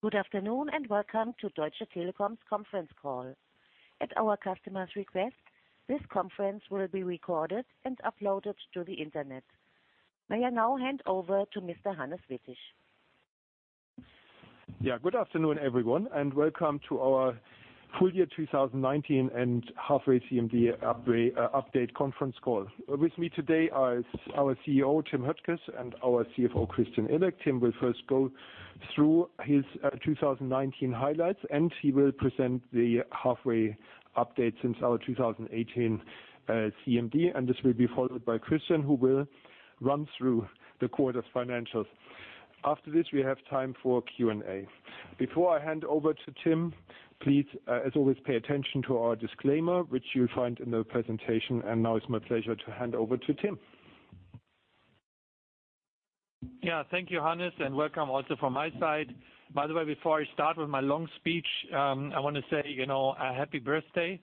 Good afternoon, welcome to Deutsche Telekom's conference call. At our customer's request, this conference will be recorded and uploaded to the Internet. May I now hand over to Mr. Hannes Wittig. Yeah. Good afternoon, everyone. Welcome to our full year 2019 and halfway CMD update conference call. With me today is our CEO, Tim Höttges, and our CFO, Christian Illek. Tim will first go through his 2019 highlights and he will present the halfway update since our 2018 CMD. This will be followed by Christian, who will run through the quarter's financials. After this, we have time for Q&A. Before I hand over to Tim, please, as always, pay attention to our disclaimer, which you'll find in the presentation. Now it's my pleasure to hand over to Tim. Yeah. Thank you, Hannes, and welcome also from my side. By the way, before I start with my long speech, I want to say happy birthday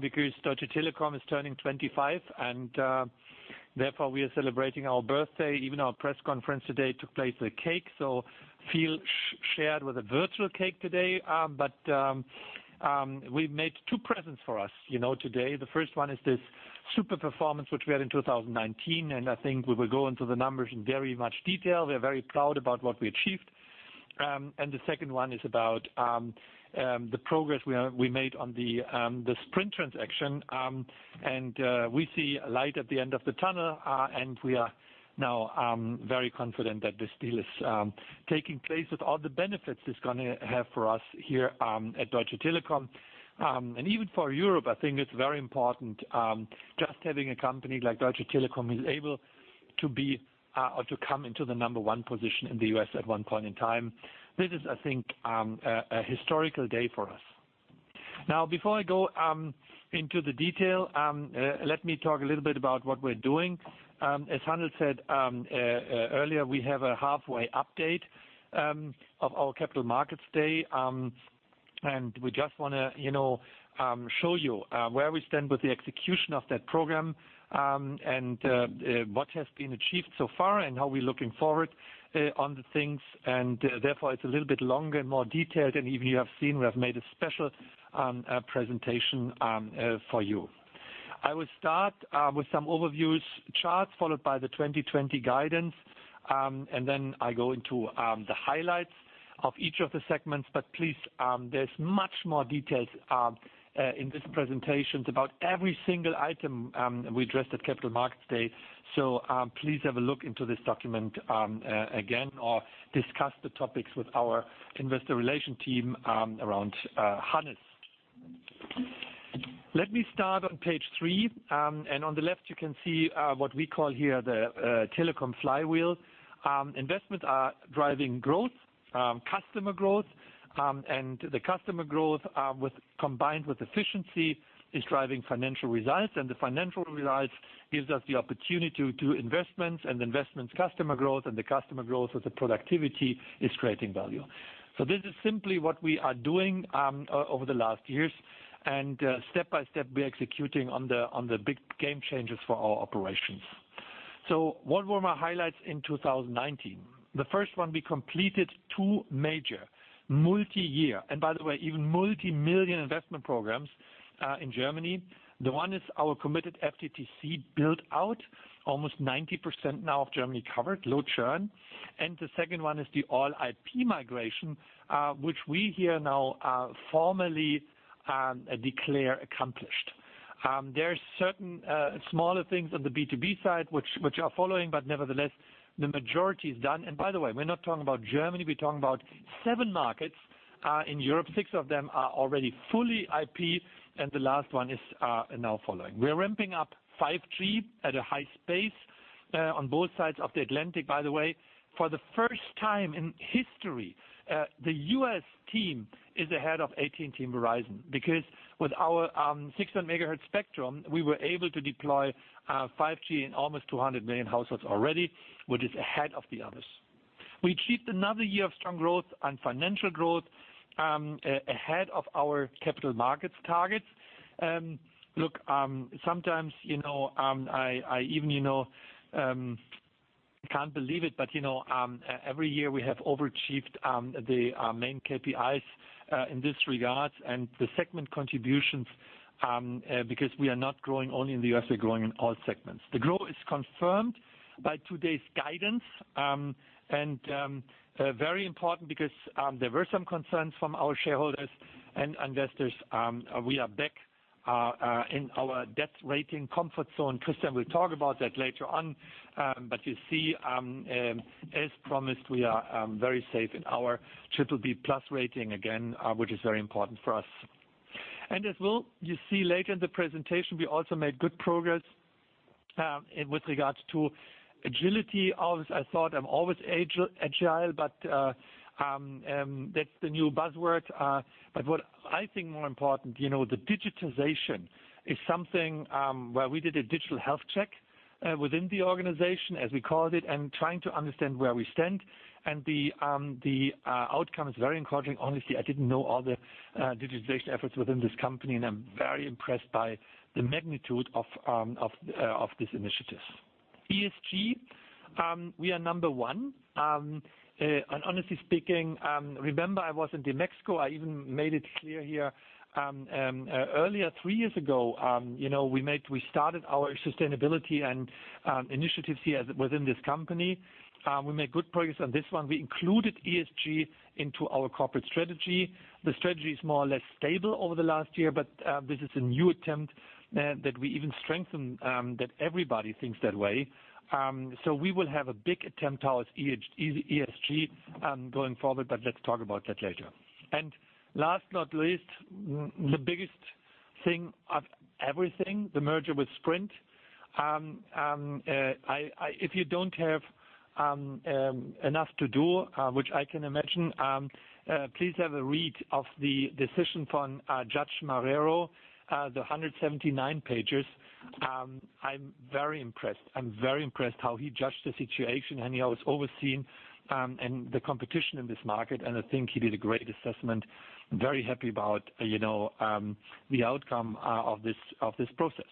because Deutsche Telekom is turning 25. Therefore, we are celebrating our birthday. Even our press conference today took place with a cake. Feel shared with a virtual cake today. We've made two presents for us today. The first one is this super performance which we had in 2019. I think we will go into the numbers in very much detail. We are very proud about what we achieved. The second one is about the progress we made on the Sprint transaction. We see a light at the end of the tunnel and we are now very confident that this deal is taking place with all the benefits it's going to have for us here at Deutsche Telekom. Even for Europe, I think it's very important just having a company like Deutsche Telekom is able to be, or to come into the number one position in the U.S. at one point in time. This is, I think, a historical day for us. Before I go into the detail, let me talk a little bit about what we're doing. As Hannes said earlier, we have a halfway update of our Capital Markets Day. We just want to show you where we stand with the execution of that program and what has been achieved so far, and how we're looking forward on the things. Therefore, it's a little bit longer and more detailed. Even you have seen, we have made a special presentation for you. I will start with some overview charts, followed by the 2020 guidance, then I go into the highlights of each of the segments. Please, there's much more details in this presentation about every single item we addressed at Capital Markets Day. Please have a look into this document again, or discuss the topics with our investor relation team around Hannes. Let me start on page three. On the left you can see what we call here the Telekom flywheel. Investments are driving growth, customer growth. The customer growth combined with efficiency is driving financial results, the financial results gives us the opportunity to do investments customer growth, the customer growth with the productivity is creating value. This is simply what we are doing over the last years. Step by step, we are executing on the big game changers for our operations. What were my highlights in 2019? The first one, we completed two major multi-year, and by the way, even multimillion investment programs in Germany. The one is our committed FTTC build out. Almost 90% now of Germany covered, low churn. The second one is the All-IP migration which we here now formally declare accomplished. There are certain smaller things on the B2B side which are following, but nevertheless, the majority is done. By the way, we're not talking about Germany, we're talking about seven markets in Europe. Six of them are already fully IP and the last one is now following. We're ramping up 5G at a high pace on both sides of the Atlantic, by the way. For the first time in history, the U.S. team is ahead of AT&T and Verizon. With our 600 MHz spectrum, we were able to deploy 5G in almost 200 million households already, which is ahead of the others. We achieved another year of strong growth and financial growth, ahead of our capital markets targets. Look, sometimes, I even can't believe it, every year we have overachieved the main KPIs, in this regard, and the segment contributions because we are not growing only in the U.S., we're growing in all segments. The growth is confirmed by today's guidance. Very important because there were some concerns from our shareholders and investors, we are back in our debt rating comfort zone. Christian will talk about that later on. You see, as promised, we are very safe in our BBB+ rating again, which is very important for us. As you see later in the presentation, we also made good progress with regards to agility. Obviously, I thought I'm always agile but that's the new buzzword. What I think more important, the digitization is something where we did a digital health check within the organization, as we called it, and trying to understand where we stand. The outcome is very encouraging. Honestly, I didn't know all the digitization efforts within this company, and I'm very impressed by the magnitude of these initiatives. ESG, we are number one. Honestly speaking, remember, I was in DMEXCO. I even made it clear here, earlier, three years ago, we started our sustainability and initiatives here within this company. We made good progress on this one. We included ESG into our corporate strategy. The strategy is more or less stable over the last year. This is a new attempt that we even strengthen, that everybody thinks that way. We will have a big attempt towards ESG going forward. Let's talk about that later. Last not least, the biggest thing of everything, the merger with Sprint. If you don't have enough to do, which I can imagine, please have a read of the decision from Judge Marrero, the 179 pages. I'm very impressed. I'm very impressed how he judged the situation. He always overseen the competition in this market. I think he did a great assessment. Very happy about the outcome of this process.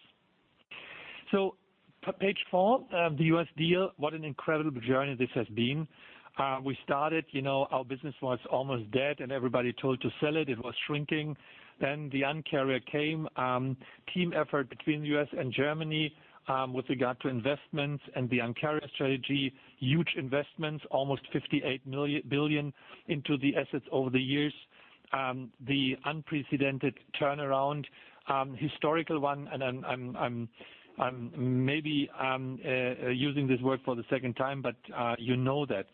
Page four, the US deal, what an incredible journey this has been. We started, our business was almost dead. Everybody told to sell it. It was shrinking. The Un-carrier came. Team effort between the U.S. and Germany with regard to investments and the Un-carrier strategy. Huge investments, almost 58 billion into the assets over the years. The unprecedented turnaround, historical one, and I'm maybe using this word for the second time, but you know that.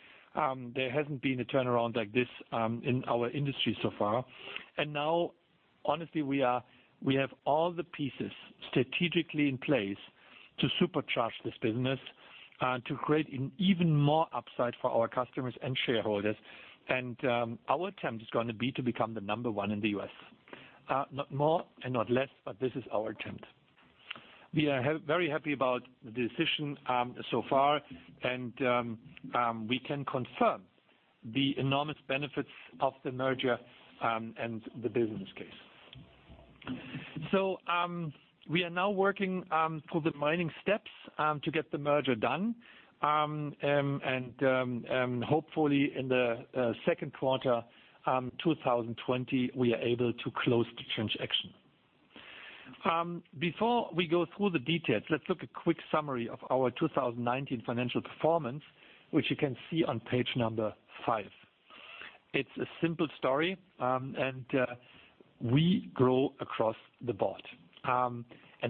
There hasn't been a turnaround like this in our industry so far. Now, honestly, we have all the pieces strategically in place to supercharge this business and to create even more upside for our customers and shareholders. Our attempt is going to be to become the number one in the U.S. Not more and not less, but this is our attempt. We are very happy about the decision so far, and we can confirm the enormous benefits of the merger and the business case. We are now working through the mining steps to get the merger done. Hopefully, in the second quarter 2020, we are able to close the transaction. Before we go through the details, let's look a quick summary of our 2019 financial performance, which you can see on page number five. It's a simple story, we grow across the board.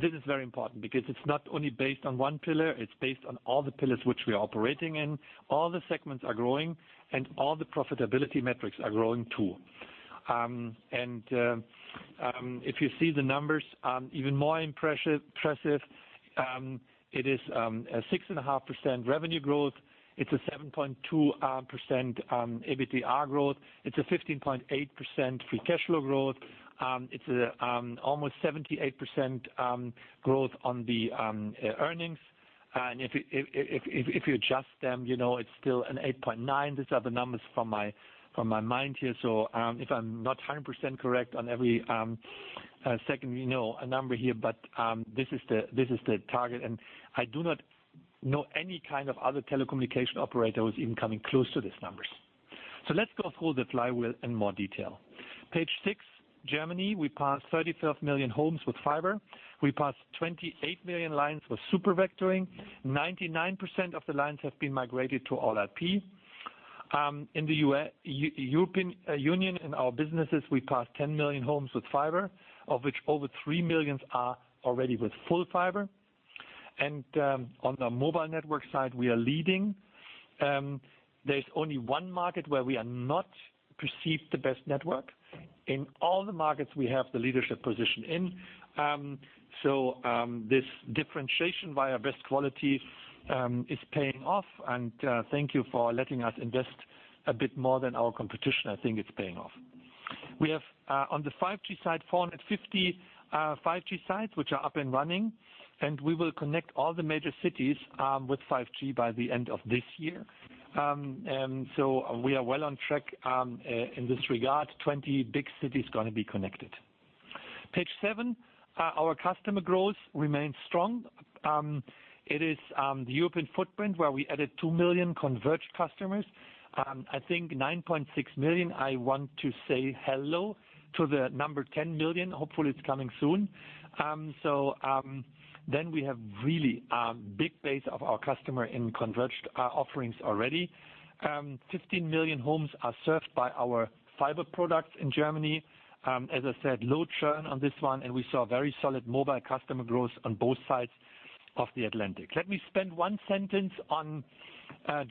This is very important because it's not only based on one pillar, it's based on all the pillars which we are operating in. All the segments are growing, all the profitability metrics are growing, too. If you see the numbers, even more impressive. It is a 6.5% revenue growth. It's a 7.2% EBITDA growth. It's a 15.8% free cash flow growth. It's almost 78% growth on the earnings. If you adjust them, it's still an 8.9%. These are the numbers from my mind here. If I'm not 100% correct on every second, a number here, but this is the target, and I do not know any kind of other telecommunication operator who's even coming close to these numbers. Let's go through the flywheel in more detail. Page six, Germany, we passed 35 million homes with fiber. We passed 28 million lines with super vectoring. 99% of the lines have been migrated to All-IP. In the European Union, in our businesses, we passed 10 million homes with fiber, of which over three million are already with full fiber. On the mobile network side, we are leading. There is only one market where we are not perceived the best network. In all the markets we have the leadership position in. This differentiation via best quality is paying off, and thank you for letting us invest a bit more than our competition. I think it's paying off. We have, on the 5G side, 450 5G sites, which are up and running and we will connect all the major cities with 5G by the end of this year. We are well on track in this regard. 20 big cities going to be connected. Page seven, our customer growth remains strong. It is the European footprint where we added two million converged customers. I think 9.6 million. I want to say hello to the number 10 million. Hopefully, it's coming soon. We have really a big base of our customer in converged offerings already. 15 million homes are served by our fiber products in Germany. As I said, low churn on this one, and we saw very solid mobile customer growth on both sides of the Atlantic. Let me spend one sentence on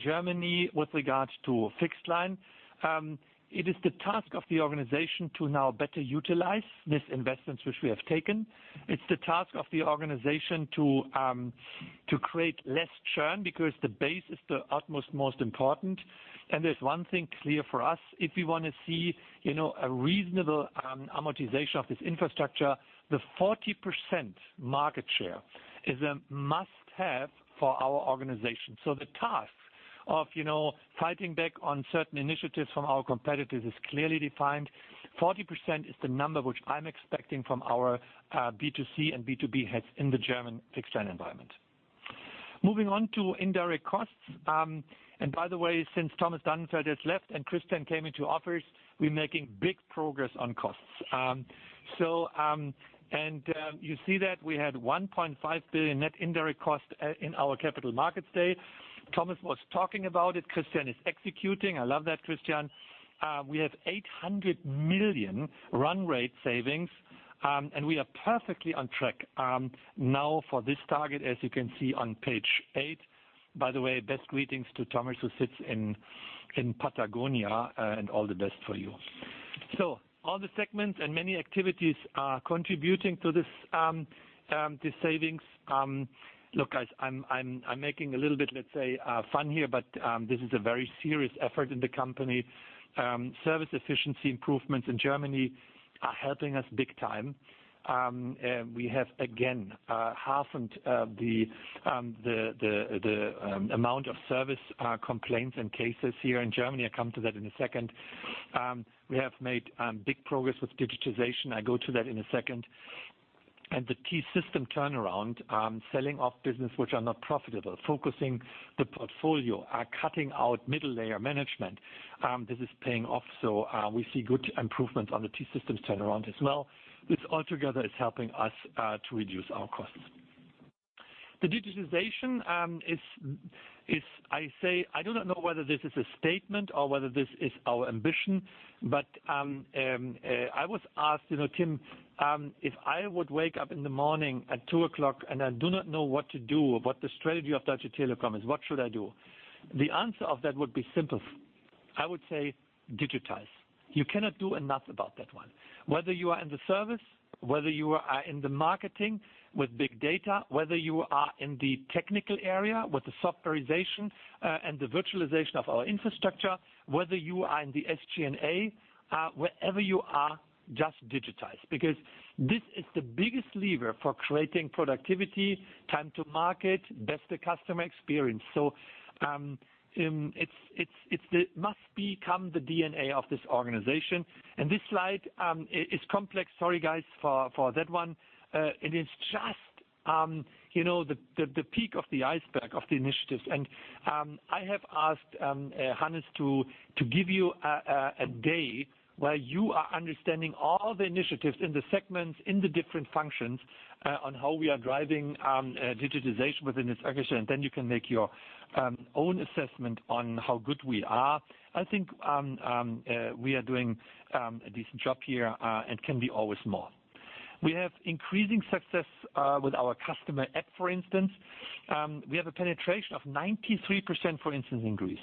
Germany with regards to fixed line. It is the task of the organization to now better utilize these investments which we have taken. It's the task of the organization to create less churn because the base is the utmost most important. There's one thing clear for us, if we want to see a reasonable amortization of this infrastructure, the 40% market share is a must-have for our organization. The task of fighting back on certain initiatives from our competitors is clearly defined. 40% is the number which I'm expecting from our B2C and B2B heads in the German fixed line environment. Moving on to indirect costs. By the way, since Thomas Dannenfeldt has left and Christian came into office, we're making big progress on costs. You see that we had 1.5 billion net indirect cost in our Capital Markets Day. Thomas was talking about it. Christian is executing. I love that, Christian. We have 800 million run rate savings. We are perfectly on track. For this target, as you can see on page eight, by the way, best greetings to Thomas, who sits in Patagonia. All the best for you. All the segments and many activities are contributing to these savings. Look, guys, I'm making a little bit, let's say, fun here. This is a very serious effort in the company. Service efficiency improvements in Germany are helping us big time. We have, again, halved the amount of service complaints and cases here in Germany. I'll come to that in a second. We have made big progress with digitization. I'll go to that in a second. The T-Systems turnaround, selling off business which are not profitable, focusing the portfolio, are cutting out middle layer management. This is paying off. We see good improvements on the T-Systems turnaround as well. This altogether is helping us to reduce our costs. The digitization is, I say, I do not know whether this is a statement or whether this is our ambition, but I was asked, Tim, if I would wake up in the morning at 2:00 A.M. and I do not know what to do, what the strategy of Deutsche Telekom is, what should I do? The answer of that would be simple. I would say digitize. You cannot do enough about that one. Whether you are in the service, whether you are in the marketing with big data, whether you are in the technical area with the softwarization and the virtualization of our infrastructure, whether you are in the SG&A. Wherever you are, just digitize because this is the biggest lever for creating productivity, time to market, better customer experience. It must become the DNA of this organization. This slide, it's complex. Sorry, guys, for that one. It is just the peak of the iceberg of the initiatives. I have asked Hannes to give you a day where you are understanding all the initiatives in the segments, in the different functions, on how we are driving digitization within this organization. You can make your own assessment on how good we are. I think we are doing a decent job here, and can be always more. We have increasing success with our customer app, for instance. We have a penetration of 93%, for instance, in Greece.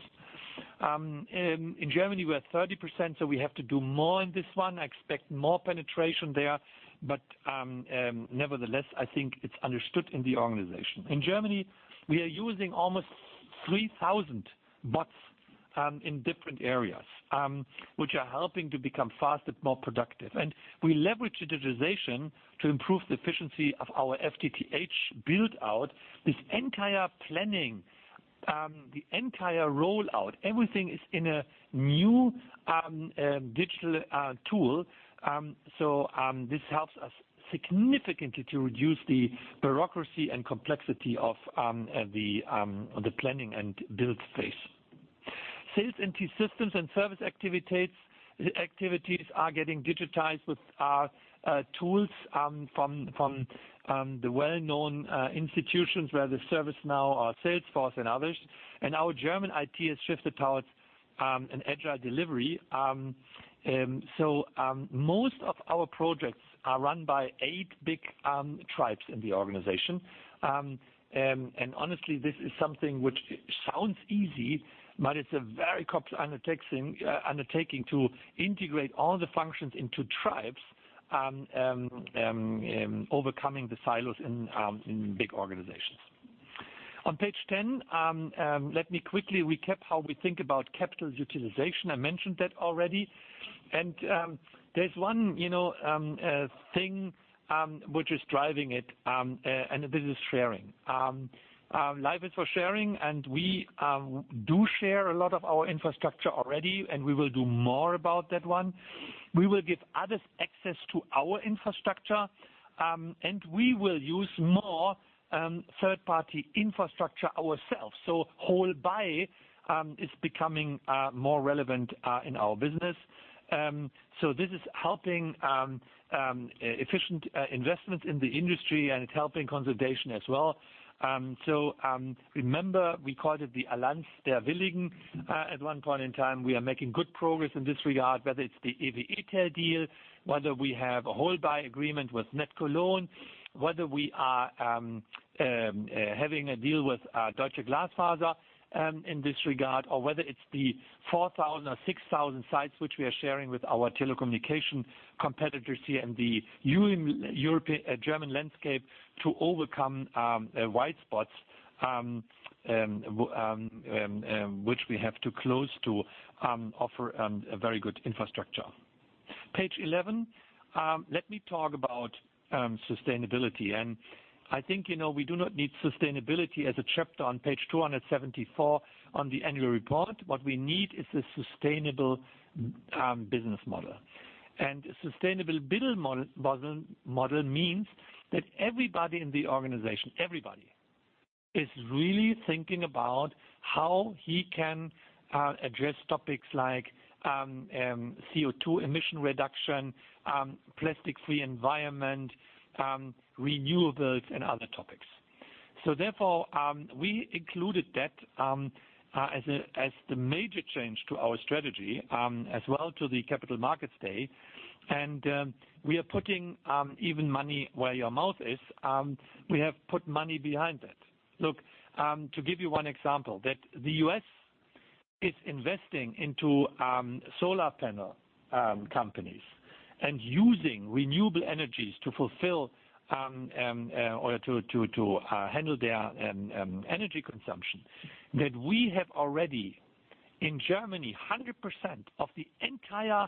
In Germany, we're 30%, so we have to do more in this one. I expect more penetration there. Nevertheless, I think it's understood in the organization. In Germany, we are using almost 3,000 bots in different areas, which are helping to become faster, more productive. We leverage digitization to improve the efficiency of our FTTH build-out. This entire planning, the entire rollout, everything is in a new digital tool. This helps us significantly to reduce the bureaucracy and complexity of the planning and build phase. Sales and T-Systems and service activities are getting digitized with our tools from the well-known institutions where the ServiceNow, our Salesforce, and others. Our German IT has shifted towards an agile delivery. Most of our projects are run by eight big tribes in the organization. Honestly, this is something which sounds easy but it's a very complex undertaking to integrate all the functions into tribes, overcoming the silos in big organizations. On page 10, let me quickly recap how we think about capital utilization. I mentioned that already. There's one thing which is driving it, and this is sharing. Life is for sharing, and we do share a lot of our infrastructure already, and we will do more about that one. We will give others access to our infrastructure, and we will use more third-party infrastructure ourselves. Wholesale is becoming more relevant in our business. This is helping efficient investment in the industry, and it's helping consolidation as well. Remember, we called it the Allianz der Willigen at one point in time. We are making good progress in this regard, whether it's the EWE TEL deal, whether we have a wholesale agreement with NetCologne, whether we are having a deal with Deutsche Glasfaser in this regard, or whether it's the 4,000 or 6,000 sites which we are sharing with our telecommunication competitors here in the German landscape to overcome white spots, which we have to close to offer a very good infrastructure. Page 11. Let me talk about sustainability. I think, we do not need sustainability as a chapter on page 274 on the annual report. What we need is a sustainable business model. A sustainable business model means that everybody in the organization, everybody, is really thinking about how he can address topics like CO2 emission reduction, plastic-free environment, renewables, and other topics. Therefore, we included that as the major change to our strategy, as well to the Capital Markets Day. We are putting even money where your mouth is. We have put money behind that. Look, to give you one example, that the U.S. is investing into solar panel companies and using renewable energies to handle their energy consumption. That we have already, in Germany, 100% of the entire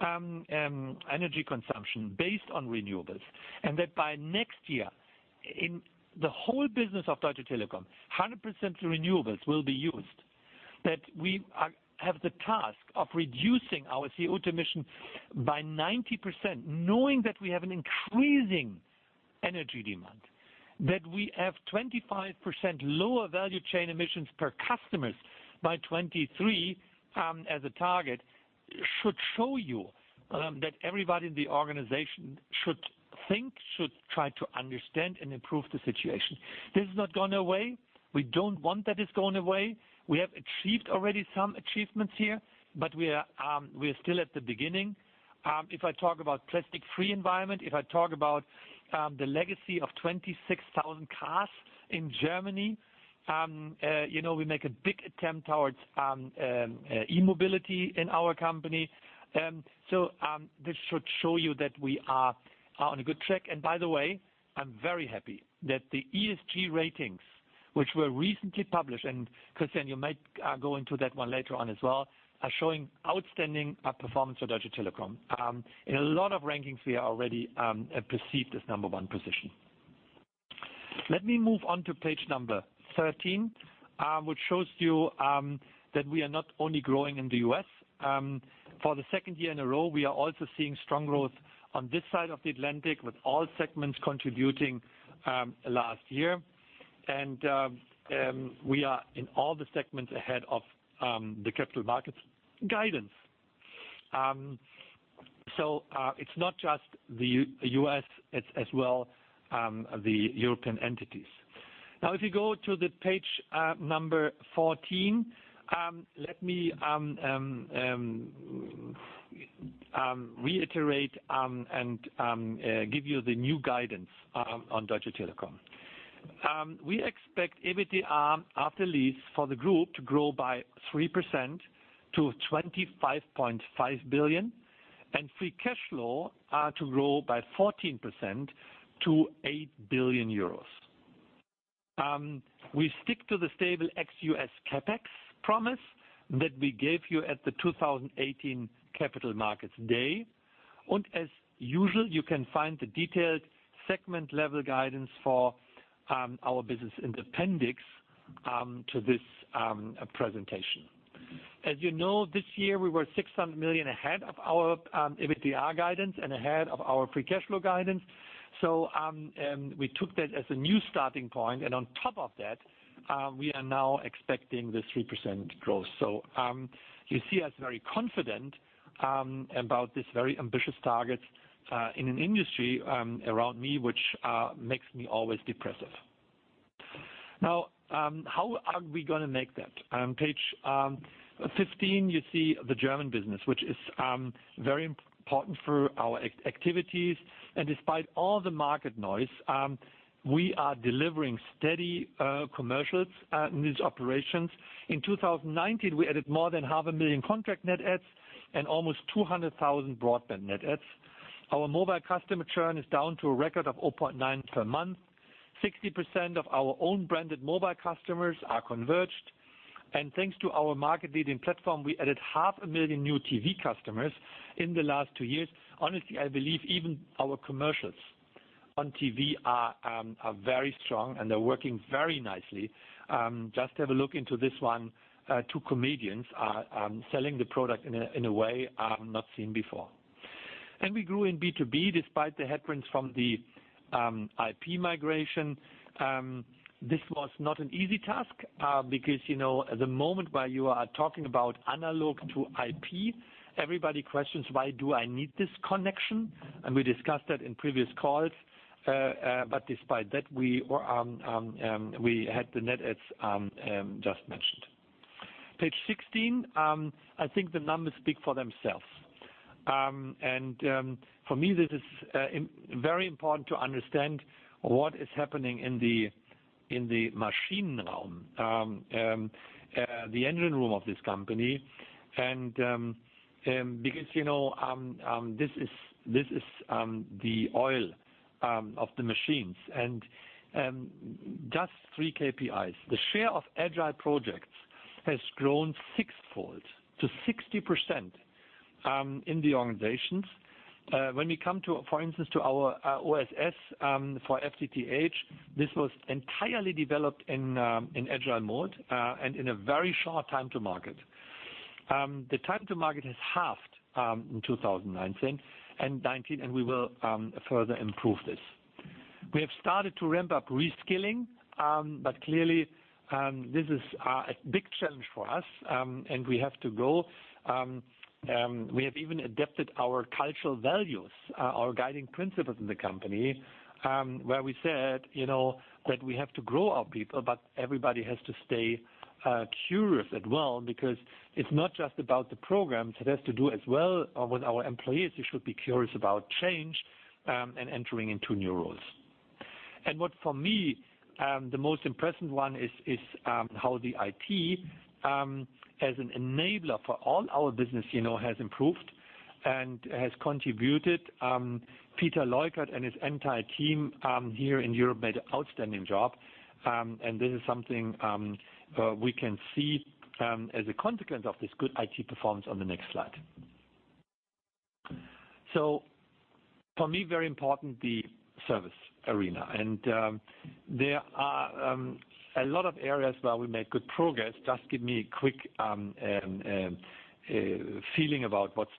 energy consumption based on renewables, and that by next year, in the whole business of Deutsche Telekom, 100% renewables will be used. That we have the task of reducing our CO2 emission by 90%, knowing that we have an increasing energy demand, that we have 25% lower value chain emissions per customers by 2023 as a target, should show you that everybody in the organization should think, should try to understand and improve the situation. This has not gone away. We don't want that it's going away. We have achieved already some achievements here but we're still at the beginning. If I talk about plastic-free environment, if I talk about the legacy of 26,000 cars in Germany, we make a big attempt towards e-mobility in our company. This should show you that we are on a good track. By the way, I'm very happy that the ESG ratings, which were recently published, and Christian, you might go into that one later on as well are showing outstanding performance for Deutsche Telekom. In a lot of rankings, we are already perceived as number one position. Let me move on to page number 13, which shows you that we are not only growing in the U.S. For the second year in a row, we are also seeing strong growth on this side of the Atlantic, with all segments contributing last year. We are, in all the segments, ahead of the capital markets guidance. It's not just the U.S., it's as well the European entities. If you go to the page number 14, let me reiterate and give you the new guidance on Deutsche Telekom. We expect EBITDA after lease for the group to grow by 3% to 25.5 billion and free cash flow to grow by 14% to 8 billion euros. We stick to the stable ex U.S. CapEx promise that we gave you at the 2018 Capital Markets Day. As usual, you can find the detailed segment-level guidance for our business in the appendix to this presentation. As you know, this year we were 600 million ahead of our EBITDA guidance and ahead of our free cash flow guidance. We took that as a new starting point, and on top of that, we are now expecting this 3% growth. You see us very confident about these very ambitious targets in an industry around me, which makes me always depressive. How are we going to make that? Page 15, you see the German business, which is very important for our activities. Despite all the market noise, we are delivering steady commercials in these operations. In 2019, we added more than half a million contract net adds and almost 200,000 broadband net adds. Our mobile customer churn is down to a record of 0.9% per month. 60% of our own branded mobile customers are converged. Thanks to our market-leading platform, we added half a million new TV customers in the last two years. Honestly, I believe even our commercials on TV are very strong and they're working very nicely. Just have a look into this one. Two comedians are selling the product in a way I've not seen before. We grew in B2B despite the headwinds from the IP migration. This was not an easy task, because the moment where you are talking about analog to IP, everybody questions, why do I need this connection? We discussed that in previous calls. Despite that, we had the net adds just mentioned. Page 16, I think the numbers speak for themselves. For me, this is very important to understand what is happening in the machine room, the engine room of this company. Because this is the oil of the machines and just three KPIs. The share of agile projects has grown sixfold to 60% in the organizations. When we come, for instance, to our OSS for FTTH, this was entirely developed in Agile mode, and in a very short time to market. The time to market has halved in 2019, and we will further improve this. We have started to ramp up reskilling, but clearly, this is a big challenge for us, and we have to grow. We have even adapted our cultural values, our guiding principles in the company, where we said that we have to grow our people but everybody has to stay curious as well because it's not just about the programs. It has to do as well with our employees who should be curious about change, and entering into new roles. What, for me, the most impressive one is how the IT, as an enabler for all our business, has improved and has contributed. Peter Leukert and his entire team here in Europe made an outstanding job. This is something we can see as a consequence of this good IT performance on the next slide. For me, very important, the service arena. There are a lot of areas where we made good progress. Just give me a quick feeling about what's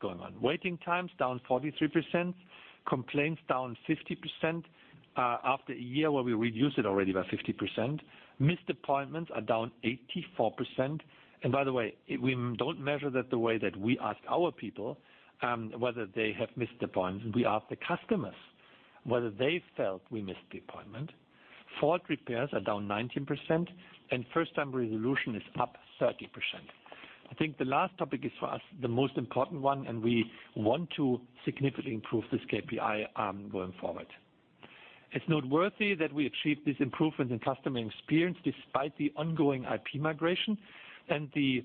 going on. Waiting times, down 43%, complaints down 50%, after a year where we reduced it already by 50%. Missed appointments are down 84%. By the way, we don't measure that the way that we ask our people whether they have missed appointments. We ask the customers whether they felt we missed the appointment. Fault repairs are down 19%, and first-time resolution is up 30%. I think the last topic is, for us, the most important one, and we want to significantly improve this KPI going forward. It's noteworthy that we achieved this improvement in customer experience despite the ongoing All-IP migration and the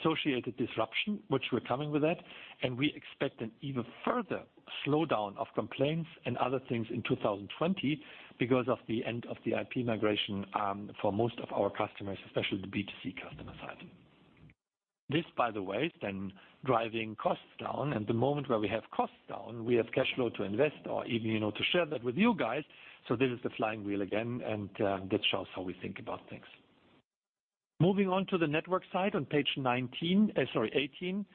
associated disruption which were coming with that. We expect an even further slowdown of complaints and other things in 2020 because of the end of the All-IP migration for most of our customers, especially the B2C customer side. This, by the way, is then driving costs down. The moment where we have costs down, we have cash flow to invest or even to share that with you guys. This is the flying wheel again, and that shows how we think about things. Moving on to the network side on page 19, sorry, 18.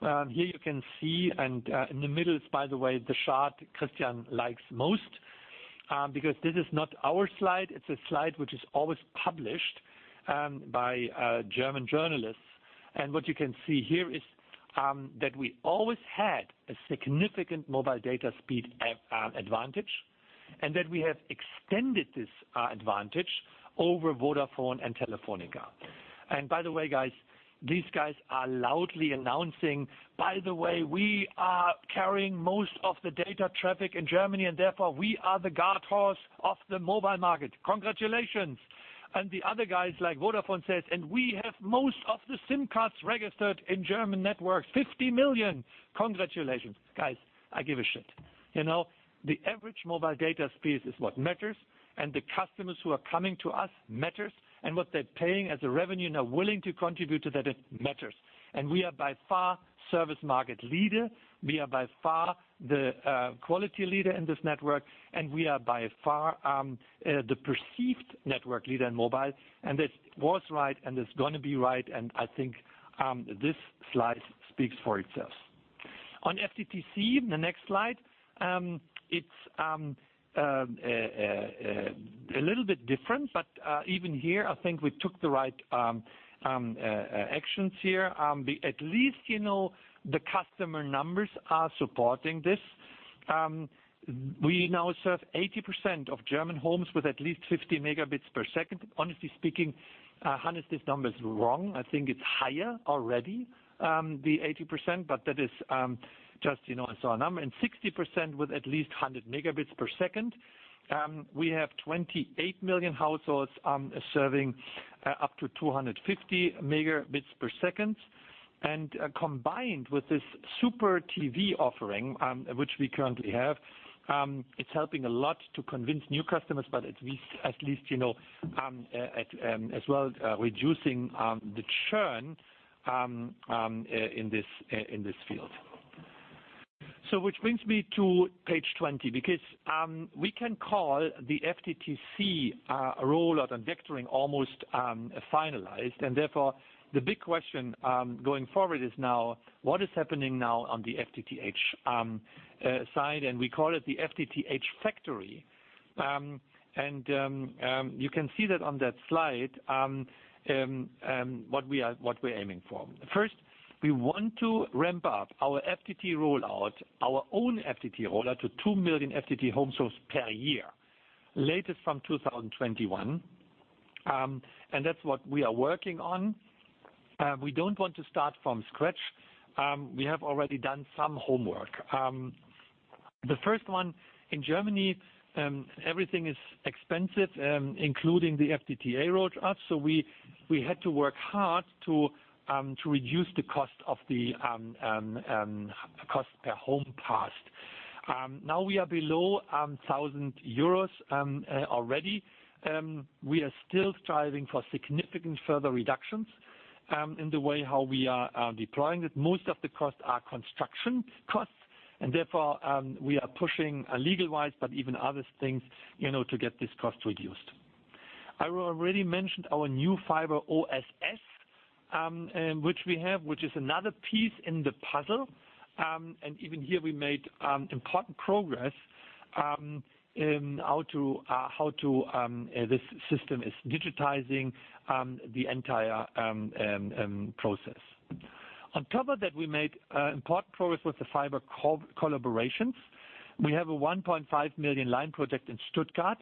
Here you can see, and in the middle is, by the way, the chart Christian likes most. This is not our slide, it's a slide which is always published by German journalists. What you can see here is that we always had a significant mobile data speed advantage, and that we have extended this advantage over Vodafone and Telefónica. By the way, guys, these guys are loudly announcing, By the way, we are carrying most of the data traffic in Germany, and therefore we are the guardhorse of the mobile market. Congratulations. The other guys, like Vodafone, says, And we have most of the SIM cards registered in German networks, 50 million. Congratulations. Guys, I give a shit. The average mobile data speed is what matters, and the customers who are coming to us matters, and what they're paying as a revenue and are willing to contribute to that, it matters. We are by far service market leader, we are by far the quality leader in this network, and we are by far the perceived network leader in mobile. That was right, and it's going to be right, and I think this slide speaks for itself. On FTTC, in the next slide, it's a little bit different. Even here, I think we took the right actions here. At least the customer numbers are supporting this. We now serve 80% of German homes with at least 50 Mbps. Honestly speaking, Hannes, this number is wrong. I think it's higher already, the 80%, but that is just, it's our number. 60% with at least 100 Mbps. We have 28 million households serving up to 250 Mbps. Combined with this super vectoring offering, which we currently have, it's helping a lot to convince new customers. At least, as well, reducing the churn in this field. Which brings me to page 20, because we can call the FTTC rollout and vectoring almost finalized. Therefore, the big question going forward is now what is happening now on the FTTH side? We call it the FTTH factory. You can see that on that slide, what we are aiming for. First, we want to ramp up our FTTH rollout, our own FTTH rollout, to two million FTTH households per year, latest from 2021. That's what we are working on. We don't want to start from scratch. We have already done some homework. The first one in Germany, everything is expensive, including the FTTH rollout. We had to work hard to reduce the cost per home passed. Now we are below 1,000 euros already. We are still striving for significant further reductions in the way how we are deploying it. Most of the costs are construction costs, and therefore, we are pushing legal wise but even other things to get this cost reduced. I already mentioned our new fiber OSS, which we have, which is another piece in the puzzle. Even here, we made important progress, this system is digitizing the entire process. On top of that, we made important progress with the fiber collaborations. We have a 1.5 million line project in Stuttgart,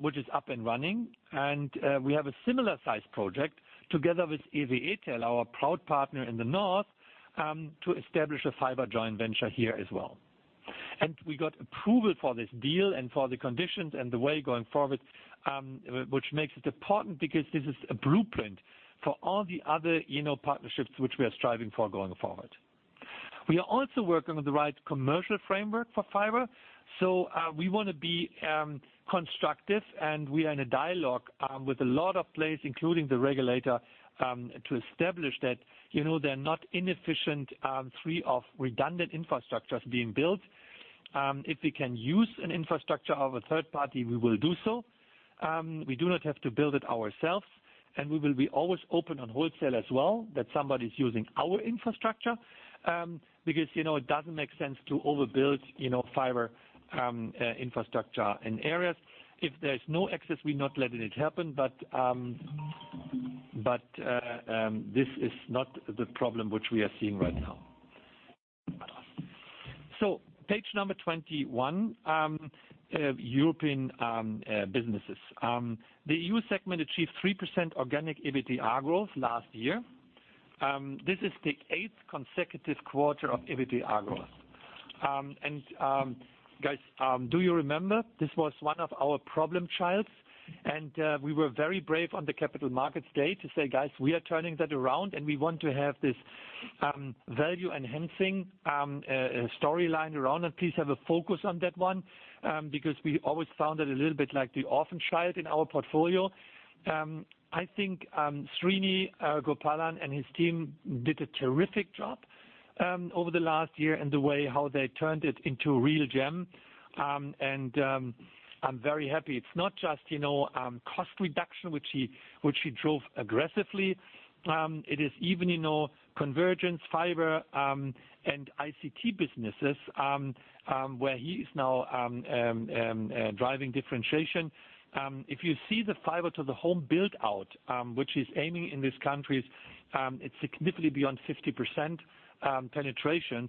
which is up and running. We have a similar size project together with EWE TEL, our proud partner in the north, to establish a fiber joint venture here as well. We got approval for this deal and for the conditions and the way going forward, which makes it important because this is a blueprint for all the other partnerships which we are striving for going forward. We are also working on the right commercial framework for fiber. We want to be constructive, and we are in a dialogue with a lot of players, including the regulator, to establish that they're not inefficient, three of redundant infrastructures being built. If we can use an infrastructure of a third party, we will do so. We do not have to build it ourselves. We will be always open on wholesale as well, that somebody is using our infrastructure. It doesn't make sense to overbuild fiber infrastructure in areas. If there is no access, we're not letting it happen. This is not the problem which we are seeing right now. Page number 21, European businesses. The EU segment achieved 3% organic EBITDA growth last year. This is the eighth consecutive quarter of EBITDA growth. Guys, do you remember? This was one of our problem child, and we were very brave on the Capital Markets Day to say, Guys, we are turning that around, and we want to have this value-enhancing storyline around it. Please have a focus on that one. We always found it a little bit like the orphan child in our portfolio. I think Srini Gopalan and his team did a terrific job over the last year in the way how they turned it into a real gem. I'm very happy. It's not just cost reduction which he drove aggressively. It is even in our convergence fiber and ICT businesses, where he is now driving differentiation. If you see the fiber to the home build-out, which is aiming in these countries, it's significantly beyond 50% penetration.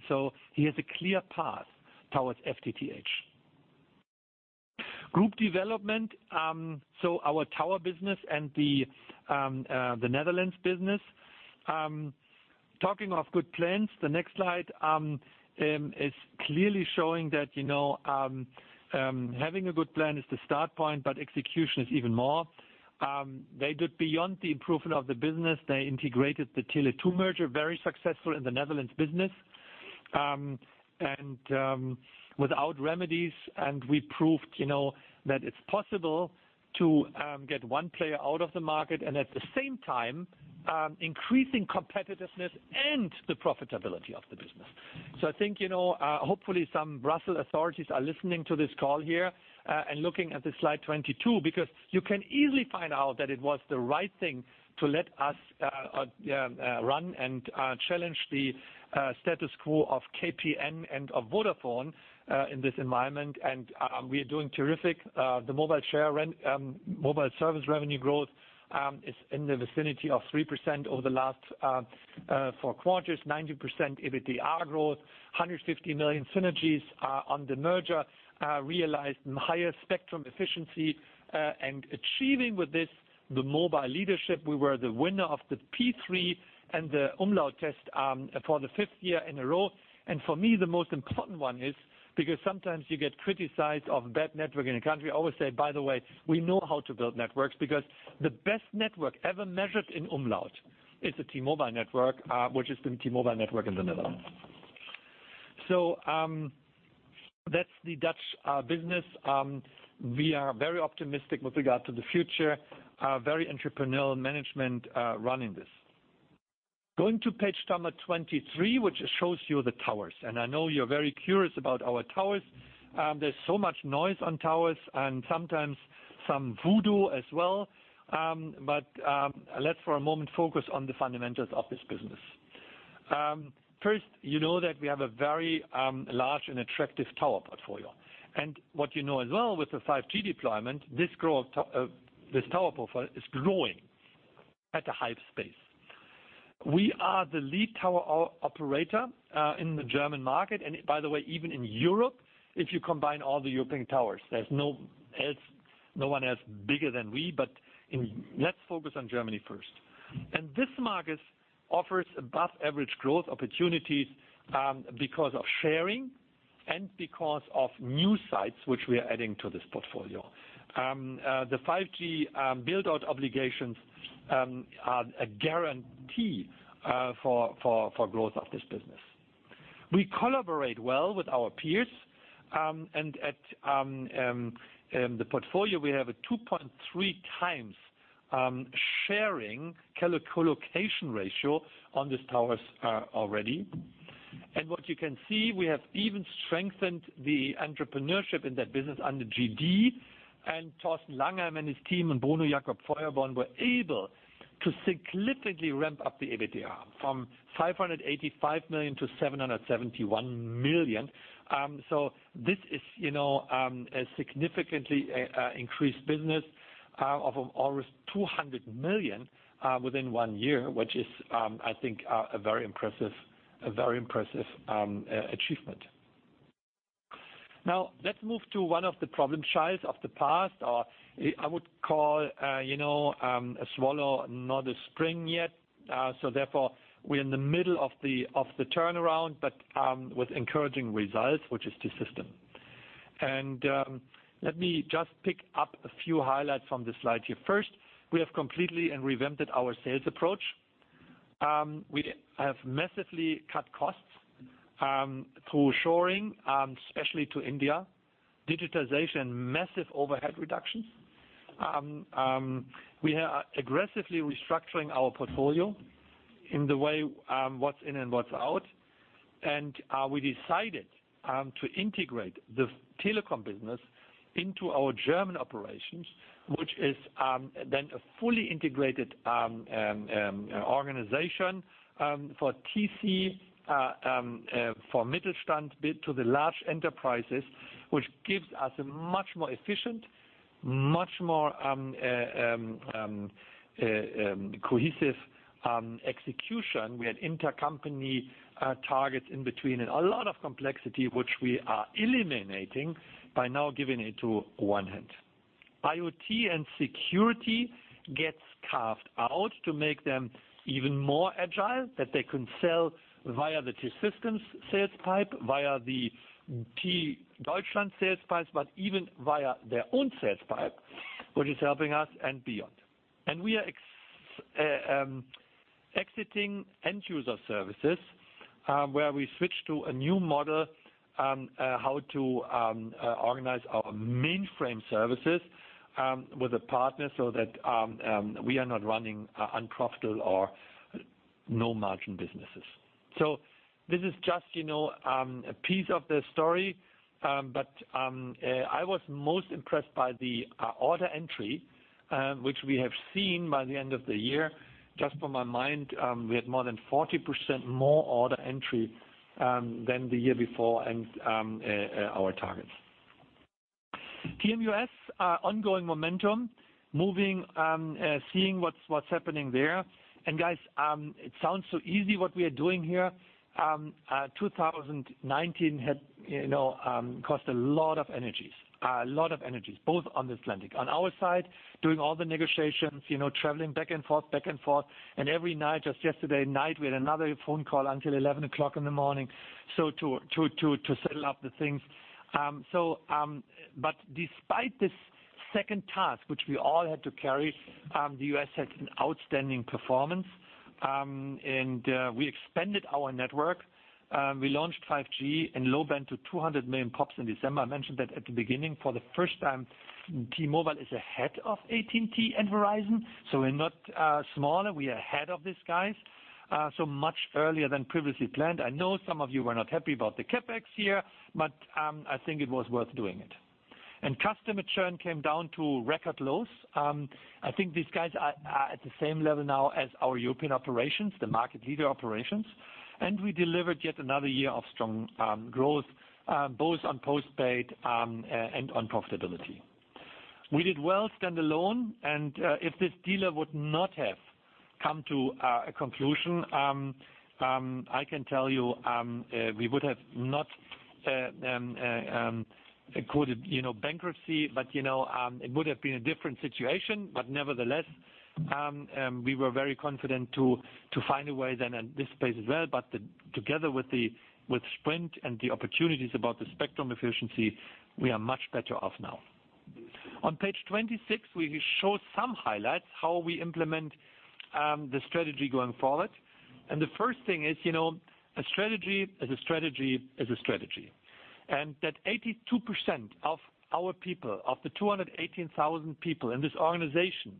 He has a clear path towards FTTH. Group development. Our tower business and the Netherlands business. Talking of good plans, the next slide is clearly showing that having a good plan is the start point but execution is even more. They did beyond the improvement of the business. They integrated the Tele2 merger very successful in the Netherlands business and without remedies. And we proved that it's possible to get one player out of the market and at the same time, increasing competitiveness and the profitability of the business. I think, hopefully some Brussels authorities are listening to this call here and looking at slide 22 because you can easily find out that it was the right thing to let us run and challenge the status quo of KPN and of Vodafone in this environment. We are doing terrific. The mobile service revenue growth is in the vicinity of 3% over the last four quarters, 90% EBITDA growth, 150 million synergies are on the merger, realized in higher spectrum efficiency, and achieving with this the mobile leadership. We were the winner of the P3 and the Umlaut test for the fifth year in a row. For me, the most important one is because sometimes you get criticized of bad network in a country. I always say, by the way, we know how to build networks because the best network ever measured in Umlaut is the T-Mobile network, which has been T-Mobile network in the Netherlands. That's the Dutch business. We are very optimistic with regard to the future. Very entrepreneurial management running this. Going to page number 23, which shows you the towers. I know you're very curious about our towers. There's so much noise on towers and sometimes some voodoo as well. Let's for a moment focus on the fundamentals of this business. First, you know that we have a very large and attractive tower portfolio. What you know as well with the 5G deployment, this tower profile is growing at a high pace. We are the lead tower operator in the German market, and by the way, even in Europe, if you combine all the European towers. There's no one else bigger than we but let's focus on Germany first. This market offers above-average growth opportunities because of sharing and because of new sites which we are adding to this portfolio. The 5G build-out obligations are a guarantee for growth of this business. We collaborate well with our peers. At the portfolio, we have a 2.3 times sharing co-location ratio on these towers already. What you can see, we have even strengthened the entrepreneurship in that business under GD. Thorsten Langheim and his team and Bruno Jacobfeuerborn were able to significantly ramp up the EBITDA from 585 million-771 million. This is a significantly increased business of almost 200 million within one year, which is, I think, a very impressive achievement. Now, let's move to one of the problem child of the past, or I would call a swallow, not a spring yet. Therefore, we're in the middle of the turnaround but with encouraging results, which is T-Systems. Let me just pick up a few highlights from this slide here. First, we have completely revamped our sales approach. We have massively cut costs through shoring, especially to India. Digitalization, massive overhead reductions. We are aggressively restructuring our portfolio in the way what's in and what's out. We decided to integrate the telecom business into our German operations, which is then a fully integrated organization for TC, for Mittelstand B2B to the large enterprises which gives us a much more efficient, much more cohesive execution. We had intercompany targets in between and a lot of complexity, which we are eliminating by now giving it to one hand. IoT and security gets carved out to make them even more agile, that they can sell via the T-Systems sales pipe, via the T-Deutschland sales pipes but even via their own sales pipe, which is helping us and beyond. We are exiting end-user services, where we switch to a new model, how to organize our mainframe services with a partner so that we are not running unprofitable or no margin businesses. This is just a piece of the story. I was most impressed by the order entry which we have seen by the end of the year. Just from my mind, we had more than 40% more order entry than the year before and our targets. TMUS, ongoing momentum, moving, seeing what's happening there. Guys, it sounds so easy what we are doing here. 2019 cost a lot of energy, a lot of energy, both on this landing. On our side, doing all the negotiations, traveling back and forth, back and forth. Every night, just yesterday night, we had another phone call until 11:00 A.M. to settle up the things. Despite this second task, which we all had to carry, the U.S. had an outstanding performance. We expanded our network. We launched 5G and low band to 200 million POPs in December. I mentioned that at the beginning. For the first time, T-Mobile is ahead of AT&T and Verizon. We're not smaller, we're ahead of these guys. Much earlier than previously planned. I know some of you were not happy about the CapEx here but I think it was worth doing it. Customer churn came down to record lows. I think these guys are at the same level now as our European operations, the market leader operations. We delivered yet another year of strong growth, both on postpaid and on profitability. We did well standalone. If this deal would not have come to a conclusion, I can tell you, we would have not quoted bankruptcy, but it would have been a different situation. Nevertheless, we were very confident to find a way then in this space as well. Together with Sprint and the opportunities about the spectrum efficiency, we are much better off now. On page 26, we show some highlights, how we implement the strategy going forward. The first thing is, a strategy is a strategy is a strategy. That 82% of our people, of the 218,000 people in this organization,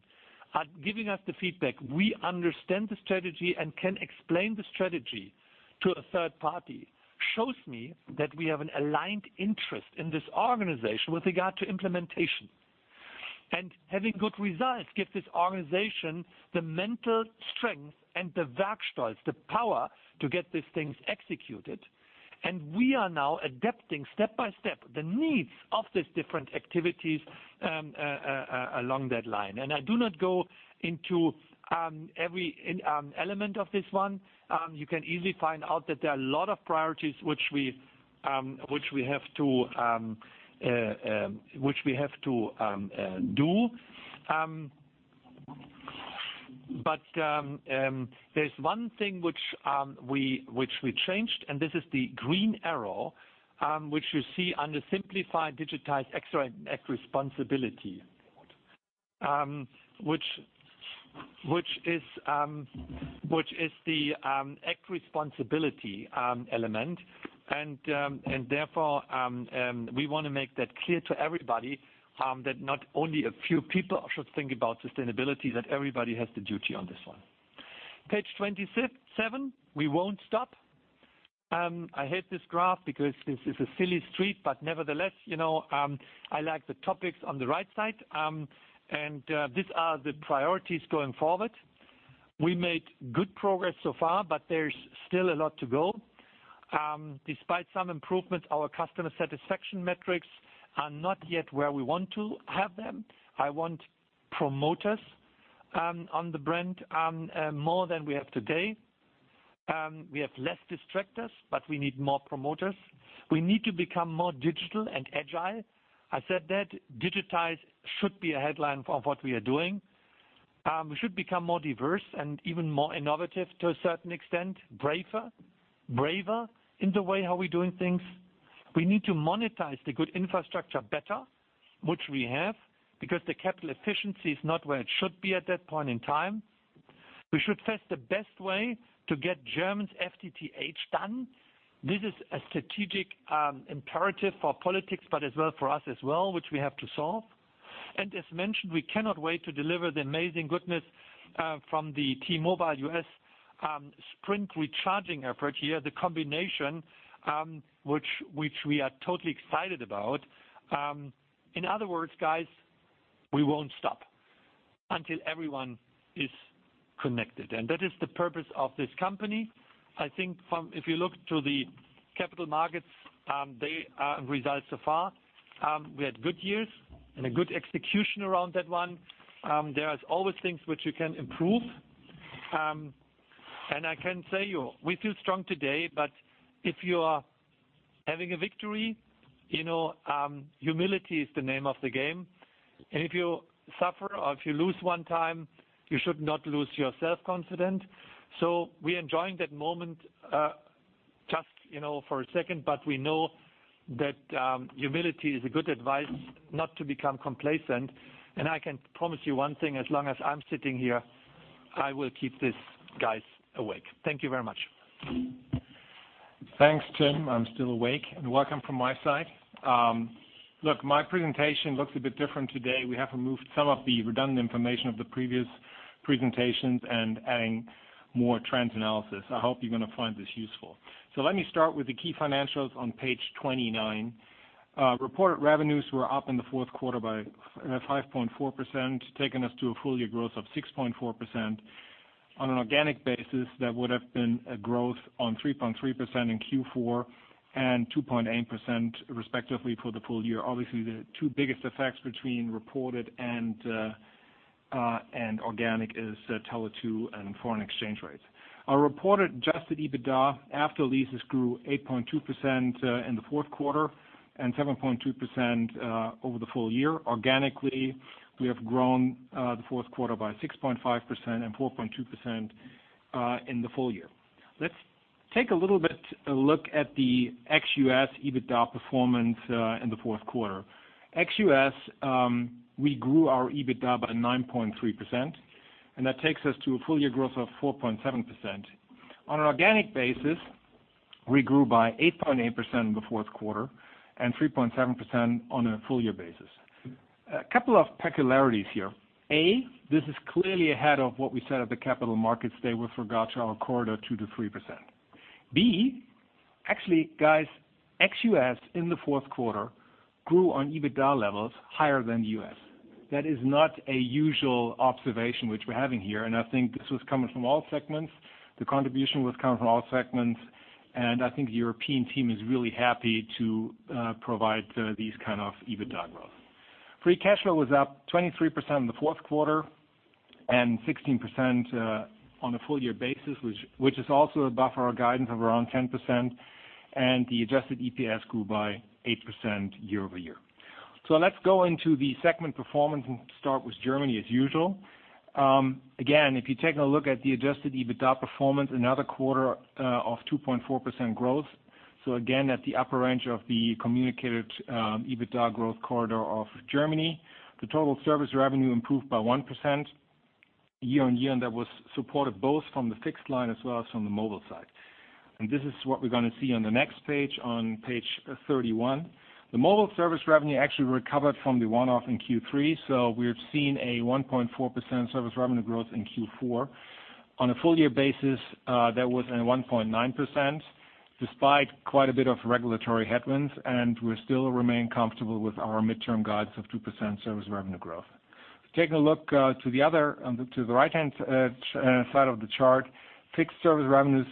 are giving us the feedback, We understand the strategy and can explain the strategy to a third party, shows me that we have an aligned interest in this organization with regard to implementation. Having good results gives this organization the mental strength and the power to get these things executed. We are now adapting step-by-step the needs of these different activities along that line. I do not go into every element of this one. You can easily find out that there are a lot of priorities which we have to do. There's one thing which we changed, and this is the green arrow which you see under simplified digitized X-ray and X responsibility, which is the ICT responsibility element. Therefore, we want to make that clear to everybody that not only a few people should think about sustainability, that everybody has the duty on this one. Page 27, we won't stop. I hate this graph because this is a silly street, but nevertheless, I like the topics on the right side. These are the priorities going forward. We made good progress so far, but there's still a lot to go. Despite some improvements, our customer satisfaction metrics are not yet where we want to have them. I want promoters on the brand, more than we have today. We have less distractors, but we need more promoters. We need to become more digital and agile. I said that. Digitize should be a headline of what we are doing. We should become more diverse and even more innovative to a certain extent, braver in the way how we're doing things. We need to monetize the good infrastructure better, which we have, because the capital efficiency is not where it should be at that point in time. We should test the best way to get Germans FTTH done. This is a strategic imperative for politics but as well for us as well, which we have to solve. As mentioned, we cannot wait to deliver the amazing goodness from the T-Mobile US, Sprint recharging effort here, the combination, which we are totally excited about. In other words, guys, we won't stop until everyone is connected. That is the purpose of this company. If you look to the capital markets, they are results so far. We had good years and a good execution around that one. There is always things which you can improve. I can say you, we feel strong today but if you are having a victory, humility is the name of the game. If you suffer or if you lose one time, you should not lose your self-confidence. We are enjoying that moment, just for a second, but we know that humility is a good advice not to become complacent. I can promise you one thing as long as I'm sitting here, I will keep this, guys, awake. Thank you very much. Thanks, Tim. I'm still awake and welcome from my side. Look, my presentation looks a bit different today. We have removed some of the redundant information of the previous presentations and adding more trends analysis. I hope you're going to find this useful. Let me start with the key financials on page 29. Reported revenues were up in the fourth quarter by 5.4%, taking us to a full year growth of 6.4%. On an organic basis, that would have been a growth on 3.3% in Q4 and 2.8% respectively for the full year. Obviously, the two biggest effects between reported and organic is Tele2 and foreign exchange rates. Our reported adjusted EBITDA after leases grew 8.2% in the fourth quarter and 7.2% over the full year. Organically, we have grown, the fourth quarter by 6.5% and 4.2% in the full year. Let's take a little bit a look at the ex-U.S. EBITDA performance in the fourth quarter. Ex-U.S., we grew our EBITDA by 9.3%, that takes us to a full year growth of 4.7%. On an organic basis, we grew by 8.8% in the fourth quarter and 3.7% on a full year basis. A couple of peculiarities here. A, this is clearly ahead of what we said at the capital markets day were for our corridor, 2%-3%. B, actually, guys, ex-U.S., in the fourth quarter, grew on EBITDA levels higher than U.S. That is not a usual observation which we're having here, I think this was coming from all segments. The contribution was coming from all segments. I think the European team is really happy to provide these kind of EBITDA growth. Free cash flow was up 23% in the fourth quarter and 16% on a full year basis, which is also above our guidance of around 10%. The adjusted EPS grew by 8% year-over-year. Let's go into the segment performance and start with Germany as usual. Again, if you take a look at the adjusted EBITDA performance, another quarter of 2.4% growth. Again, at the upper range of the communicated EBITDA growth corridor of Germany. The total service revenue improved by 1% year-on-year, and that was supported both from the fixed line as well as from the mobile side. This is what we're going to see on the next page, on page 31. The mobile service revenue actually recovered from the one-off in Q3, so we've seen a 1.4% service revenue growth in Q4. On a full year basis, that was 1.9%, despite quite a bit of regulatory headwinds, and we still remain comfortable with our midterm guides of 2% service revenue growth. Taking a look to the right-hand side of the chart, fixed service revenues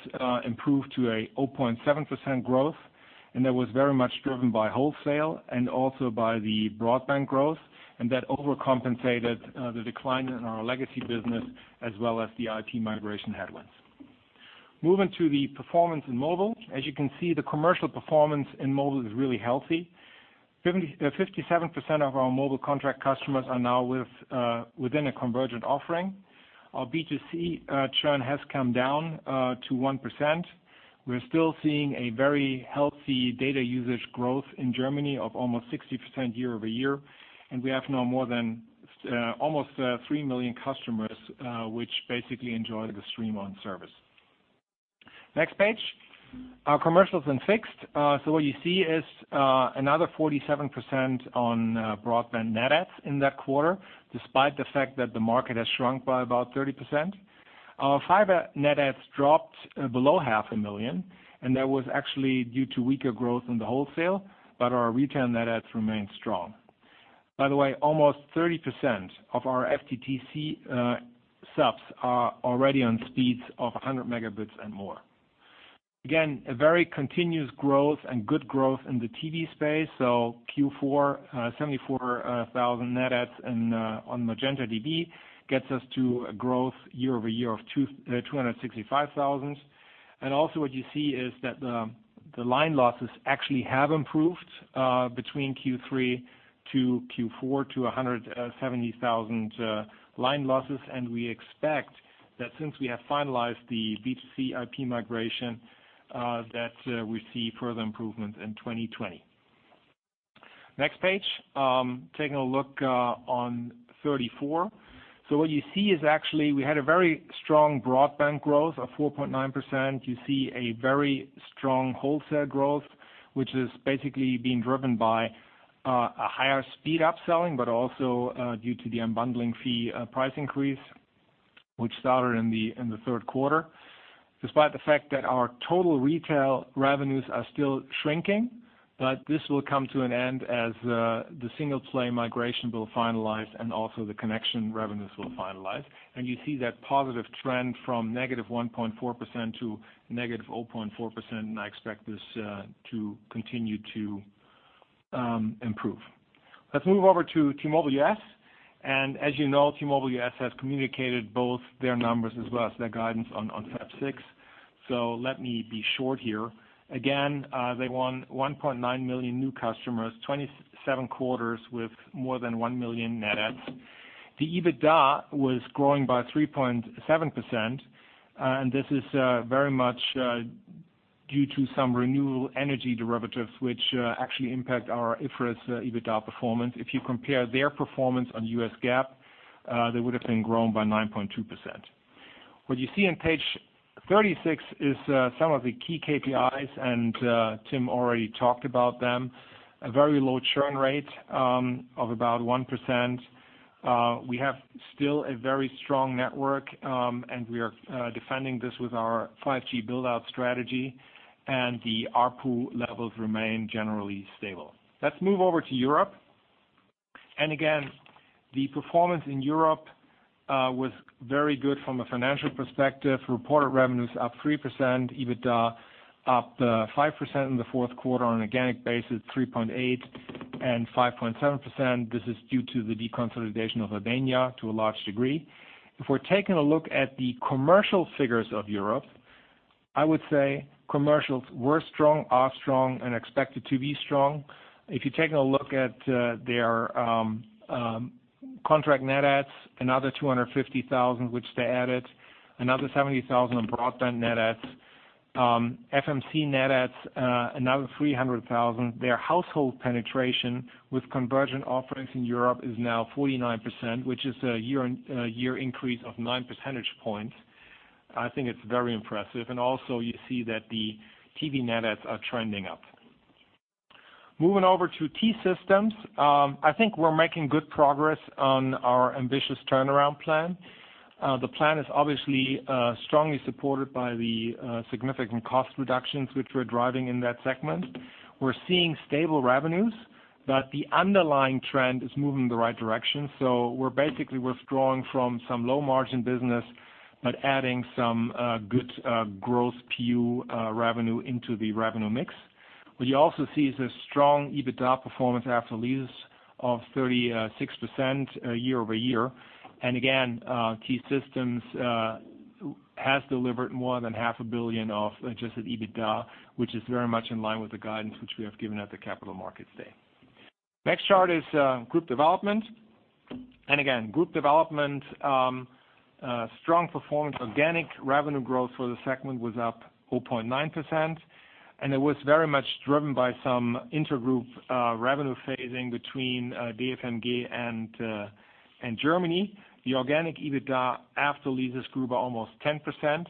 improved to 0.7% growth, and that was very much driven by wholesale and also by the broadband growth, and that overcompensated the decline in our legacy business as well as the IT migration headwinds. Moving to the performance in mobile. As you can see, the commercial performance in mobile is really healthy. 57% of our mobile contract customers are now within a convergent offering. Our B2C churn has come down to 1%. We're still seeing a very healthy data usage growth in Germany of almost 60% year-over-year, and we have now more than almost three million customers which basically enjoy the StreamOn service. Next page. Our commercials and fixed. What you see is another 47% on broadband net adds in that quarter, despite the fact that the market has shrunk by about 30%. Our fiber net adds dropped below half a million, and that was actually due to weaker growth in the wholesale, but our retail net adds remained strong. By the way, almost 30% of our FTTC subs are already on speeds of 100 megabits and more. Again, a very continuous growth and good growth in the TV space. Q4, 74,000 net adds on MagentaTV, gets us to a growth year-over-year of 265,000. Also what you see is that the line losses actually have improved, between Q3 to Q4 to 170,000 line losses. We expect that since we have finalized the B2C IP migration, that we see further improvement in 2020. Next page. Taking a look on 34. What you see is actually we had a very strong broadband growth of 4.9%. You see a very strong wholesale growth, which is basically being driven by a higher speed upselling, but also due to the unbundling fee price increase, which started in the third quarter. Despite the fact that our total retail revenues are still shrinking, this will come to an end as the single play migration will finalize and also the connection revenues will finalize. You see that positive trend from negative 1.4% to negative 0.4%, and I expect this to continue to improve. Let's move over to T-Mobile US. As you know, T-Mobile US has communicated both their numbers as well as their guidance on February 6. Let me be short here. Again, they won 1.9 million new customers, 27 quarters with more than one million net adds. The EBITDA was growing by 3.7%, and this is very much due to some renewable energy derivatives, which actually impact our IFRS EBITDA performance. If you compare their performance on US GAAP, they would have been grown by 9.2%. What you see on page 36 is some of the key KPIs, and Tim already talked about them. A very low churn rate of about 1%. We have still a very strong network, and we are defending this with our 5G build-out strategy, and the ARPU levels remain generally stable. Let's move over to Europe. Again, the performance in Europe was very good from a financial perspective. Reported revenues up 3%, EBITDA up 5% in the fourth quarter on an organic basis, 3.8% and 5.7%. This is due to the deconsolidation of Albania to a large degree. If we're taking a look at the commercial figures of Europe, I would say commercials were strong, are strong, and expected to be strong. If you're taking a look at their contract net adds, another 250,000 which they added, another 70,000 on broadband net adds. FMC net adds, another 300,000. Their household penetration with conversion offerings in Europe is now 49%, which is a year-on-year increase of nine percentage points. I think it's very impressive. Also you see that the TV net adds are trending up. Moving over to T-Systems. I think we're making good progress on our ambitious turnaround plan. The plan is obviously strongly supported by the significant cost reductions which we're driving in that segment. We're seeing stable revenues but the underlying trend is moving in the right direction. We're basically withdrawing from some low-margin business, but adding some good gross PU revenue into the revenue mix. What you also see is a strong EBITDA performance after leases of 36% year-over-year. Again, T-Systems has delivered more than half a billion of adjusted EBITDA, which is very much in line with the guidance which we have given at the Capital Markets Day. Next chart is group development. Again, group development, strong performance. Organic revenue growth for the segment was up 0.9%, and it was very much driven by some intergroup revenue phasing between DFMG and Germany. The organic EBITDA after leases grew by almost 10%.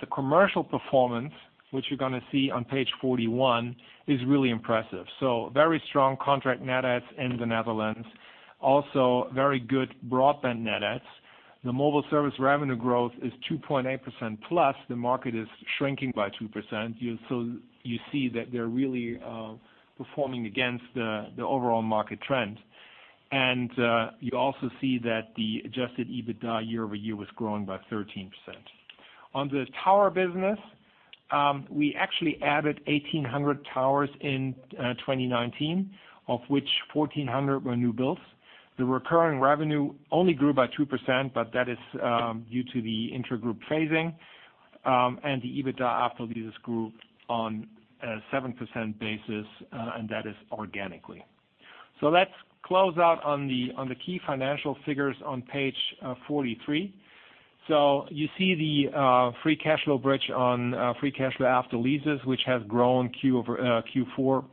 The commercial performance, which you're going to see on page 41 is really impressive. Very strong contract net adds in the Netherlands. Also very good broadband net adds. The mobile service revenue growth is 2.8%+. The market is shrinking by 2%. You see that they're really performing against the overall market trend. You also see that the adjusted EBITDA year-over-year was growing by 13%. On the tower business, we actually added 1,800 towers in 2019, of which 1,400 were new builds. The recurring revenue only grew by 2% but that is due to the intragroup phasing. The EBITDA after leases grew on a 7% basis and that is organically. Let's close out on the key financial figures on page 43. You see the free cash flow bridge on free cash flow after leases which has grown Q4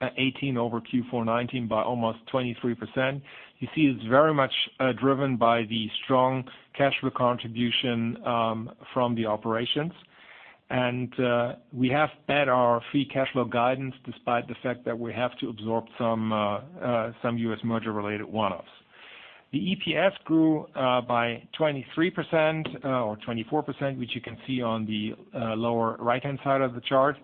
2018 over Q4 2019 by almost 23%. You see it's very much driven by the strong cash flow contribution from the operations. We have met our free cash flow guidance, despite the fact that we have to absorb some U.S. merger related one-offs. The EPS grew by 23% or 24%, which you can see on the lower right-hand side of the chart.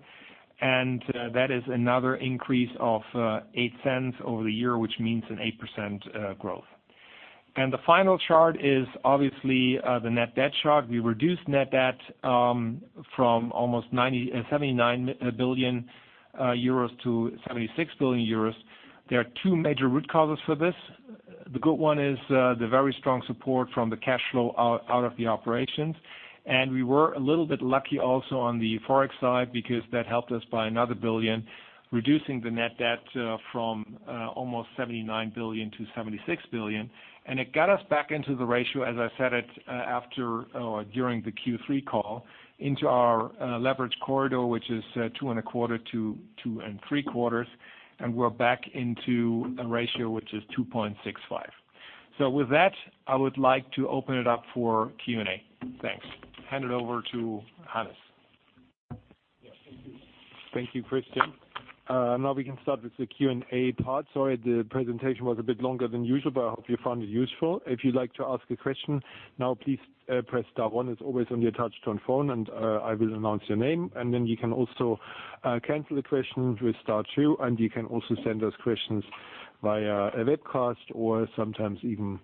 That is another increase of 0.08 over the year which means an 8% growth. The final chart is obviously the net debt chart. We reduced net debt from almost 79 billion-76 billion euros. There are two major root causes for this. The good one is the very strong support from the cash flow out of the operations. We were a little bit lucky also on the Forex side because that helped us by 1 billion, reducing the net debt from almost 79 billion-76 billion. It got us back into the ratio, as I said it during the Q3 call, into our leverage corridor which is 2.25-2.75. We're back into a ratio which is 2.65. With that, I would like to open it up for Q&A. Thanks. Hand it over to Hannes. Yeah, thank you. Thank you, Christian. Now we can start with the Q&A part. Sorry, the presentation was a bit longer than usual but I hope you found it useful. If you'd like to ask a question now, please press star one. It's always on your touch-tone phone and I will announce your name, and then you can also cancel the questions with star two. You can also send us questions via a webcast or sometimes even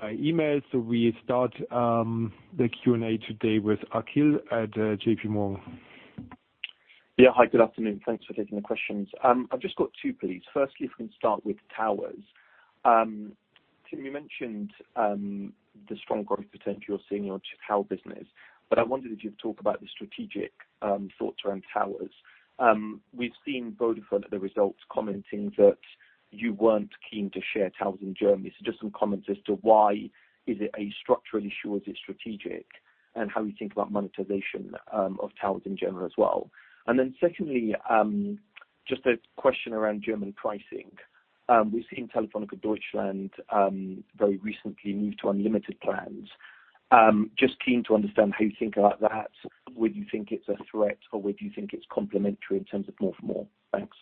by email. We start the Q&A today with Akhil at J.P. Morgan. Yeah. Hi, good afternoon. Thanks for taking the questions. I've just got two, please. Firstly, if we can start with towers. Tim, you mentioned the strong growth potential you're seeing in your tower business but I wondered if you'd talk about the strategic thoughts around towers. We've seen Vodafone at the results commenting that you weren't keen to share towers in Germany. Just some comments as to why. Is it a structural issue or is it strategic? How you think about monetization of towers in general as well. Secondly, just a question around German pricing. We've seen Telefónica Deutschland very recently move to unlimited plans. Just keen to understand how you think about that. Whether you think it's a threat or whether you think it's complementary in terms of more for more. Thanks.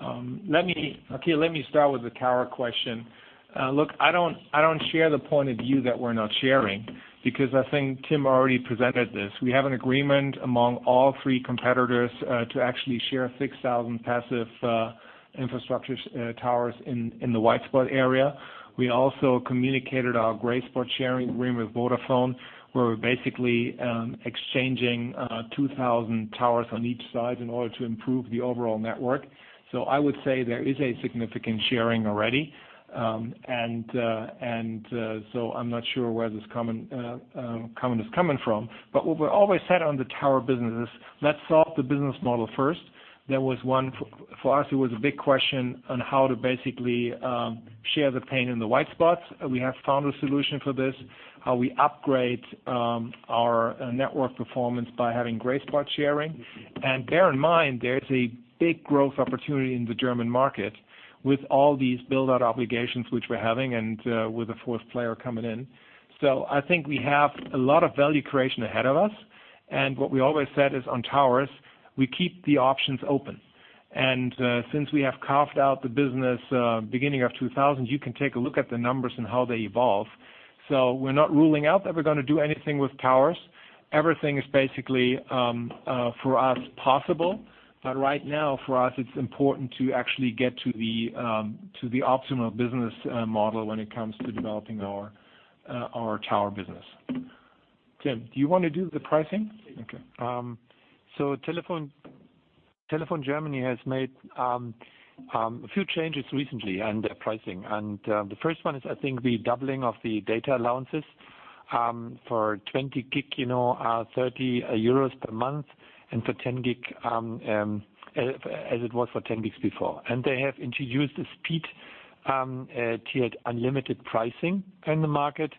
Akhil, let me start with the tower question. I don't share the point of view that we're not sharing because I think Tim already presented this. We have an agreement among all three competitors to actually share 6,000 passive infrastructure towers in the white spot area. We also communicated our gray spot sharing agreement with Vodafone, where we're basically exchanging 2,000 towers on each side in order to improve the overall network. I would say there is a significant sharing already. I'm not sure where this comment is coming from. What we always said on the tower business is, let's solve the business model first. For us, it was a big question on how to basically share the pain in the white spots. We have found a solution for this, how we upgrade our network performance by having gray spot sharing. Bear in mind, there's a big growth opportunity in the German market with all these build-out obligations which we're having and with a fourth player coming in. I think we have a lot of value creation ahead of us. What we always said is on towers, we keep the options open. Since we have carved out the business beginning of 2000, you can take a look at the numbers and how they evolve. We're not ruling out that we're going to do anything with towers. Everything is basically, for us, possible. Right now, for us, it's important to actually get to the optimal business model when it comes to developing our tower business. Tim, do you want to do the pricing? Yeah. Okay. Telefónica Deutschland has made a few changes recently in their pricing, and the first one is, I think, the doubling of the data allowances for 20 GB, 30 euros per month and for 10 GB, as it was for 10 GB before. They have introduced a speed tiered unlimited pricing in the market,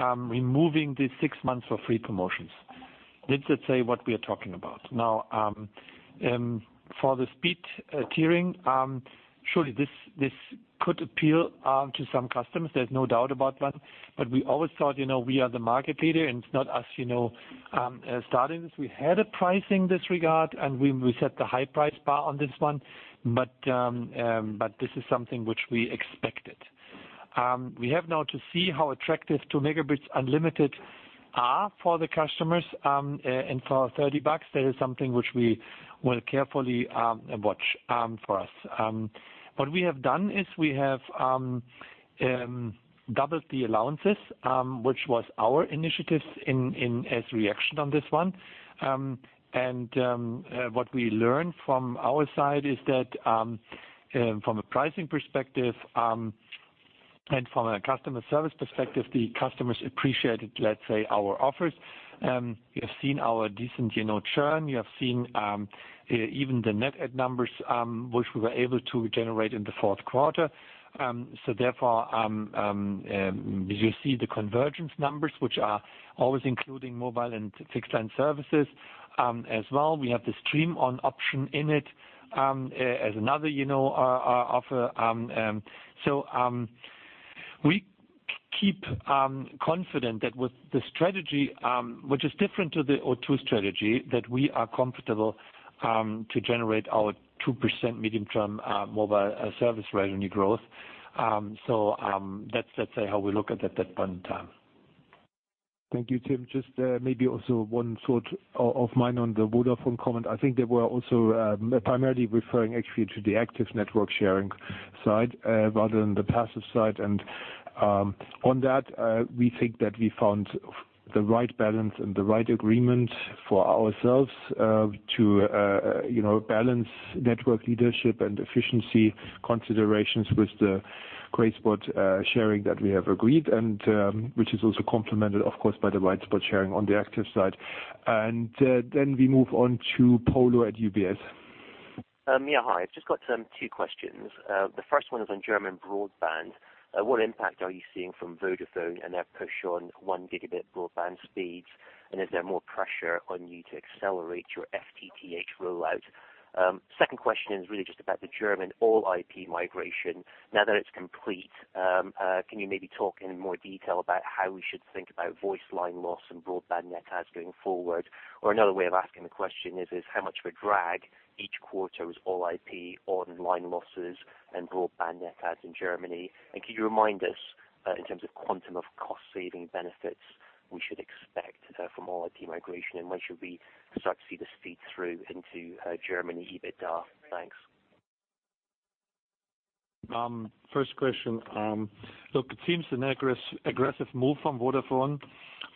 removing the six months for free promotions. This let's say what we are talking about. For the speed tiering, surely this could appeal to some customers, there's no doubt about that. We always thought, we are the market leader, and it's not us starting this. We had a pricing disregard, and we set the high price bar on this one. This is something which we expected. We have now to see how attractive 2 Mb unlimited are for the customers. For EUR 30, that is something which we will carefully watch for us. What we have done is we have doubled the allowances which was our initiative as reaction on this one. What we learned from our side is that, from a pricing perspective. From a customer service perspective, the customers appreciated, let's say, our offers. You have seen our decent churn. You have seen even the net add numbers which we were able to generate in the fourth quarter. Therefore, as you see the convergence numbers, which are always including mobile and fixed line services as well, we have the StreamOn option in it as another offer. We keep confident that with the strategy, which is different to the O2 strategy, that we are comfortable to generate our 2% medium-term mobile service revenue growth. That's how we look at it at current time. Thank you, Tim. Just maybe also one thought of mine on the Vodafone comment. I think they were also primarily referring actually to the active network sharing side rather than the passive side. On that, we think that we found the right balance and the right agreement for ourselves to balance network leadership and efficiency considerations with the gray spot sharing that we have agreed, and which is also complemented, of course, by the white spot sharing on the active side. We move on to Polo at UBS. Yeah. Hi. I've just got two questions. The first one is on German broadband. What impact are you seeing from Vodafone and their push on one gigabit broadband speeds? Is there more pressure on you to accelerate your FTTH rollout? Second question is really just about the German All-IP migration. Now that it's complete, can you maybe talk in more detail about how we should think about voice line loss and broadband net adds going forward? Another way of asking the question is, how much of a drag each quarter is All-IP on line losses and broadband net adds in Germany? Could you remind us in terms of quantum of cost-saving benefits we should expect from All-IP migration? When should we start to see this feed through into Germany EBITDA? Thanks. First question. Look, it seems an aggressive move from Vodafone.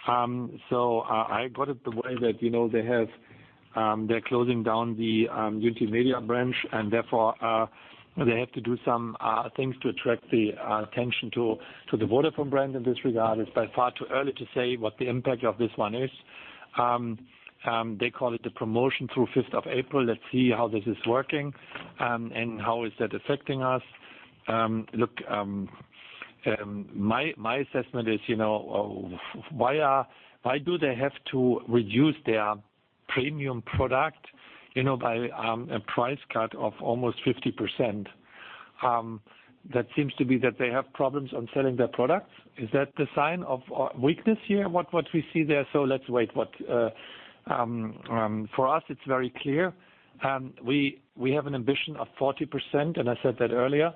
I got it the way that they're closing down the Unitymedia branch, and therefore, they have to do some things to attract the attention to the Vodafone brand in this regard. It's by far too early to say what the impact of this one is. They call it the promotion through 5th of April. Let's see how this is working and how is that affecting us. Look, my assessment is, why do they have to reduce their premium product by a price cut of almost 50%? That seems to be that they have problems on selling their products. Is that the sign of weakness here, what we see there? Let's wait. For us, it's very clear. We have an ambition of 40% and I said that earlier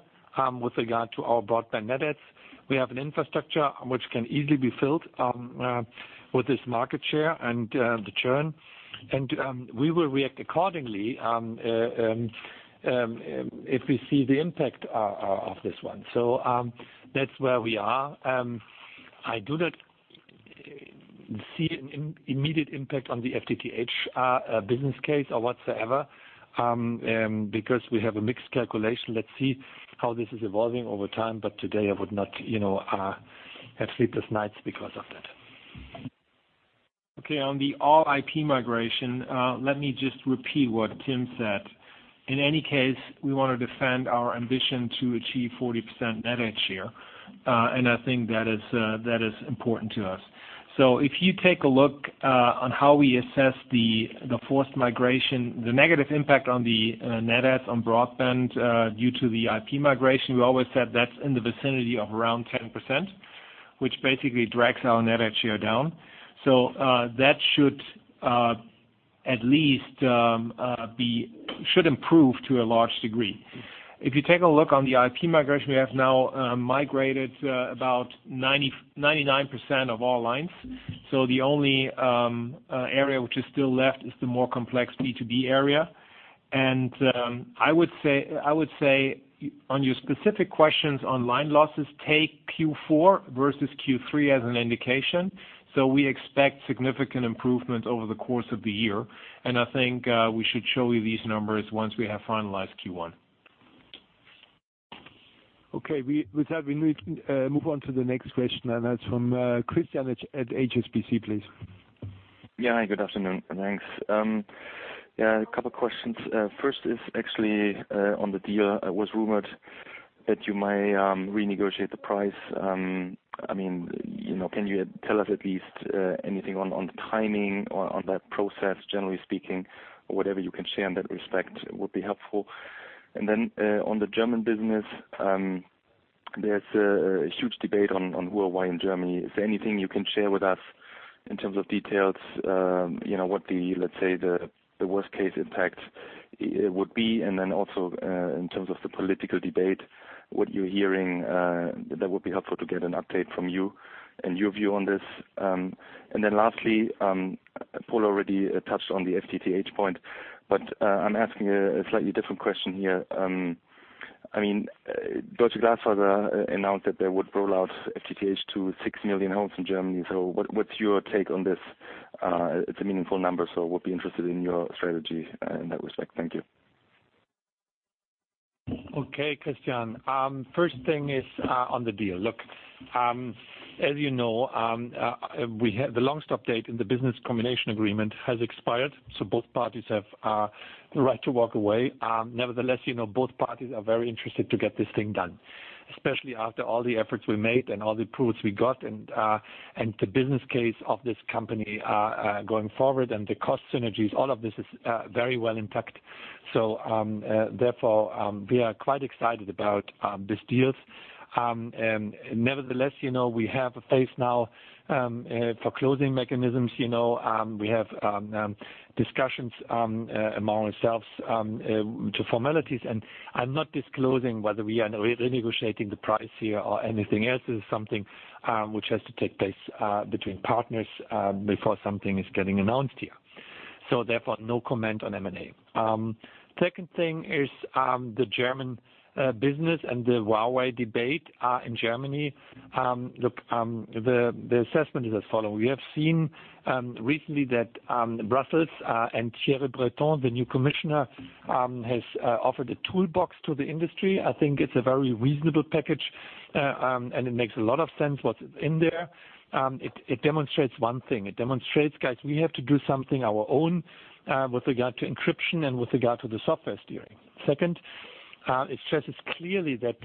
with regard to our broadband net adds. We have an infrastructure which can easily be filled with this market share and the churn. We will react accordingly if we see the impact of this one. That's where we are. I do not see an immediate impact on the FTTH business case or whatsoever because we have a mixed calculation. Let's see how this is evolving over time, today I would not have sleepless nights because of that. Okay, on the All-IP migration, let me just repeat what Tim said. In any case, we want to defend our ambition to achieve 40% net add share. I think that is important to us. If you take a look on how we assess the forced migration, the negative impact on the net adds on broadband due to the IP migration, we always said that's in the vicinity of around 10%, which basically drags our net add share down. That should at least improve to a large degree. If you take a look on the IP migration, we have now migrated about 99% of all lines. The only area which is still left is the more complex B2B area. I would say on your specific questions on line losses, take Q4 versus Q3 as an indication. We expect significant improvement over the course of the year. I think we should show you these numbers once we have finalized Q1. With that, we move on to the next question, and that's from Christian at HSBC, please. Yeah. Good afternoon. Thanks. A couple questions. First is actually on the deal. It was rumored that you might renegotiate the price. Can you tell us at least anything on the timing or on that process, generally speaking? Whatever you can share in that respect would be helpful. On the German business, there's a huge debate on who or why in Germany. Is there anything you can share with us in terms of details? What the, let's say, the worst case impact would be, then also in terms of the political debate, what you're hearing. That would be helpful to get an update from you and your view on this. Lastly, Polo already touched on the FTTH point but I'm asking a slightly different question here. Deutsche Glasfaser announced that they would roll out FTTH to six million homes in Germany. What's your take on this? It's a meaningful number, so would be interested in your strategy in that respect. Thank you. Okay, Christian. First thing is on the deal. Look, as you know, the long stop date in the business combination agreement has expired, both parties have the right to walk away. Nevertheless, both parties are very interested to get this thing done, especially after all the efforts we made and all the approvals we got. The business case of this company going forward and the cost synergies, all of this is very well intact. Therefore, we are quite excited about these deals. Nevertheless, we have a phase now for closing mechanisms. We have discussions among ourselves to formalities, and I'm not disclosing whether we are renegotiating the price here or anything else. It is something which has to take place between partners before something is getting announced here. Therefore, no comment on M&A. Second thing is the German business and the Huawei debate in Germany. Look, the assessment is as follow. We have seen recently that Brussels and Thierry Breton, the new commissioner, has offered a toolbox to the industry. I think it's a very reasonable package, and it makes a lot of sense what is in there. It demonstrates one thing. It demonstrates, guys, we have to do something our own with regard to encryption and with regard to the software steering. Second, it stresses clearly that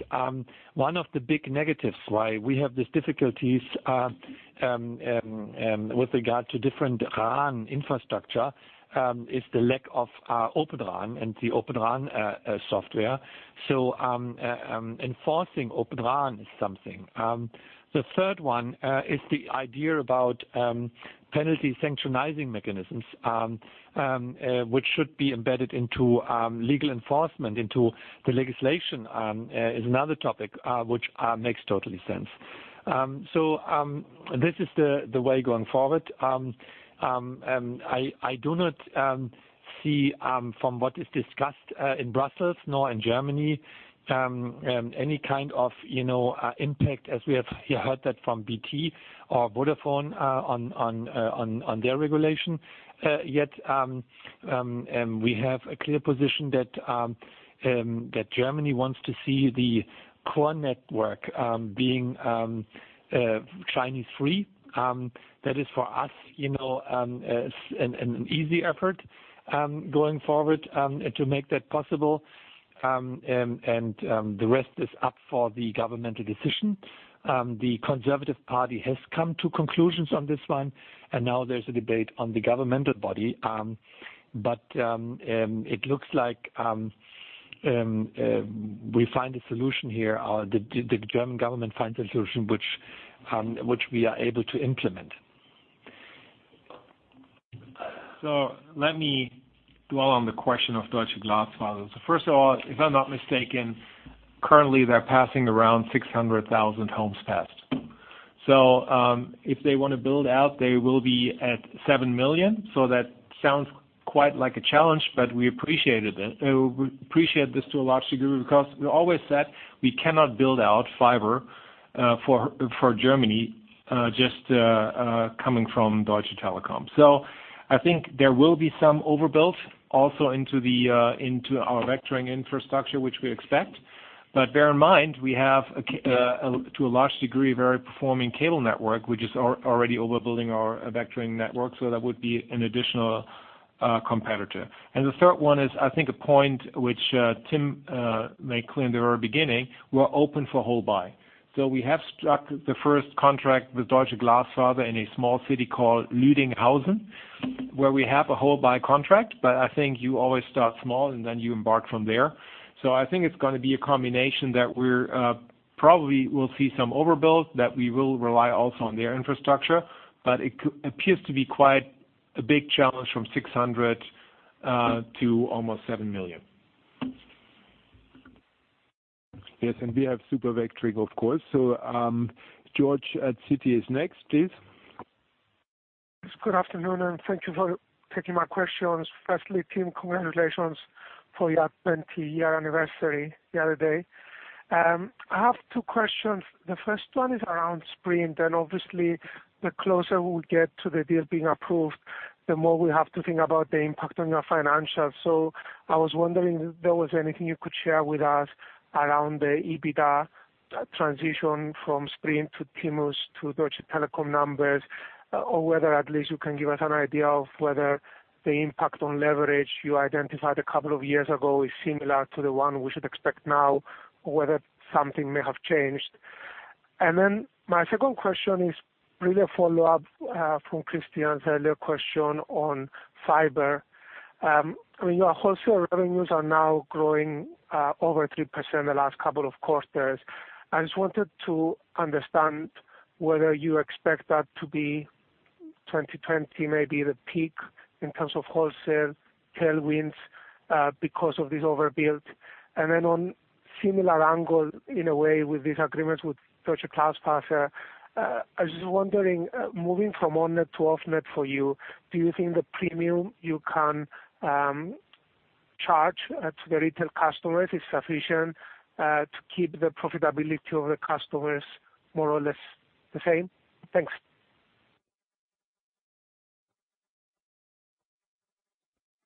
one of the big negatives why we have these difficulties with regard to different RAN infrastructure is the lack of Open RAN and the Open RAN software. Enforcing Open RAN is something. The third one is the idea about penalty sanctioning mechanisms, which should be embedded into legal enforcement, into the legislation. It is another topic which makes totally sense. This is the way going forward. I do not see from what is discussed in Brussels nor in Germany, any kind of impact as we have heard that from BT or Vodafone on their regulation yet. We have a clear position that Germany wants to see the core network being Chinese-free. That is for us, an easy effort going forward to make that possible, and the rest is up for the governmental decision. The Conservative Party has come to conclusions on this one, and now there's a debate on the governmental body. It looks like we find a solution here. The German government finds a solution which we are able to implement. Let me dwell on the question of Deutsche Glasfaser. First of all, if I'm not mistaken, currently they're passing around 600,000 homes passed. If they want to build out, they will be at seven million. That sounds quite like a challenge but we appreciate this to a large degree because we always said we cannot build out fiber for Germany just coming from Deutsche Telekom. I think there will be some overbuild also into our vectoring infrastructure, which we expect. Bear in mind, we have, to a large degree, a very performing cable network, which is already overbuilding our vectoring network, so that would be an additional competitor. The third one is, I think, a point which Tim made clear in the very beginning. We're open for wholebuy. We have struck the first contract with Deutsche Glasfaser in a small city called Lüdinghausen, where we have a whole buy contract. I think you always start small, and then you embark from there. I think it's going to be a combination that we probably will see some overbuild, that we will rely also on their infrastructure, but it appears to be quite a big challenge from 600 to almost 7 million. Yes, and we have super vectoring, of course. Georgios at Citi is next, please. Good afternoon. Thank you for taking my questions. Firstly, Tim, congratulations for your 20-year anniversary the other day. I have two questions. The first one is around Sprint. Obviously, the closer we get to the deal being approved, the more we have to think about the impact on your financials. I was wondering if there was anything you could share with us around the EBITDA transition from Sprint to T-Mobile, to Deutsche Telekom numbers, or whether at least you can give us an idea of whether the impact on leverage you identified a couple of years ago is similar to the one we should expect now, or whether something may have changed. My second question is really a follow-up from Christian's earlier question on fiber. Your wholesale revenues are now growing over 3% the last couple of quarters. I just wanted to understand whether you expect that to be 2020, maybe the peak in terms of wholesale tailwinds because of this overbuild. On similar angle, in a way, with these agreements with Deutsche Glasfaser, I was just wondering, moving from on-net to off-net for you, do you think the premium you can charge to the retail customers is sufficient to keep the profitability of the customers more or less the same? Thanks.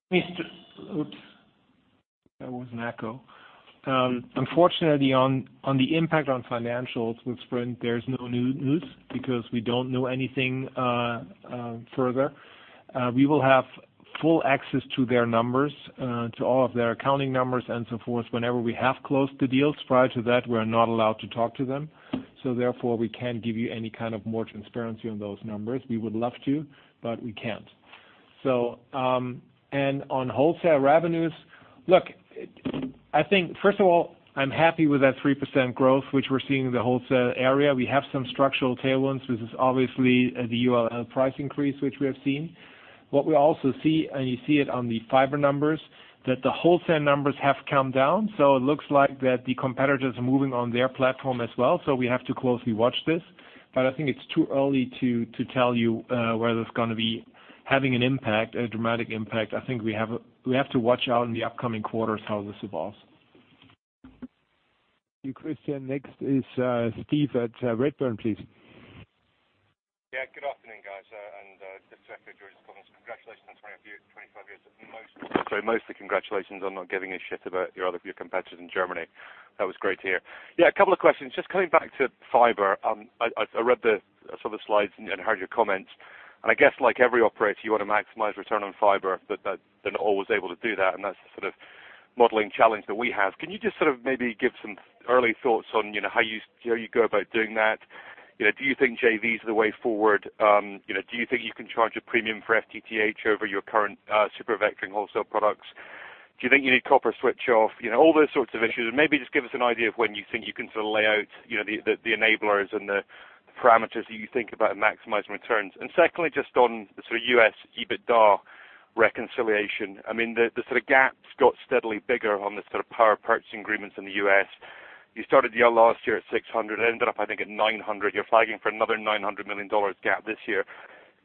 There was an echo. Unfortunately, on the impact on financials with Sprint, there's no new news because we don't know anything further. We will have full access to their numbers, to all of their accounting numbers and so forth, whenever we have closed the deals. Prior to that, we're not allowed to talk to them. Therefore, we can't give you any kind of more transparency on those numbers. We would love to, we can't. On wholesale revenues, look, I think first of all, I'm happy with that 3% growth, which we're seeing in the wholesale area. We have some structural tailwinds. This is obviously the ULL price increase, which we have seen. What we also see, and you see it on the fiber numbers, that the wholesale numbers have come down. It looks like that the competitors are moving on their platform as well. We have to closely watch this but I think it's too early to tell you whether it's going to be having an impact, a dramatic impact. I think we have to watch out in the upcoming quarters how this evolves. Thank you, Christian. Next is Steve at Redburn, please. Good afternoon, guys. Just to echo Georgios comments, congratulations on 25 years. Sorry, mostly congratulations on not giving a shit about your competitors in Germany. That was great to hear. Yeah, a couple of questions. Just coming back to fiber. I read sort of slides and heard your comments. I guess like every operator, you want to maximize return on fiber, but they're not always able to do that, and that's the sort of modeling challenge that we have. Can you just sort of maybe give some early thoughts on how you go about doing that? Do you think JVs are the way forward? Do you think you can charge a premium for FTTH over your current super vectoring wholesale products? Do you think you need copper switch off? All those sorts of issues. Maybe just give us an idea of when you think you can lay out the enablers and the parameters that you think about in maximizing returns? Secondly, just on the U.S. EBITDA reconciliation. I mean, the sort of gaps got steadily bigger on the power purchasing agreements in the U.S. You started the last year at 600, ended up, I think, at 900. You're flagging for another $900 million gap this year.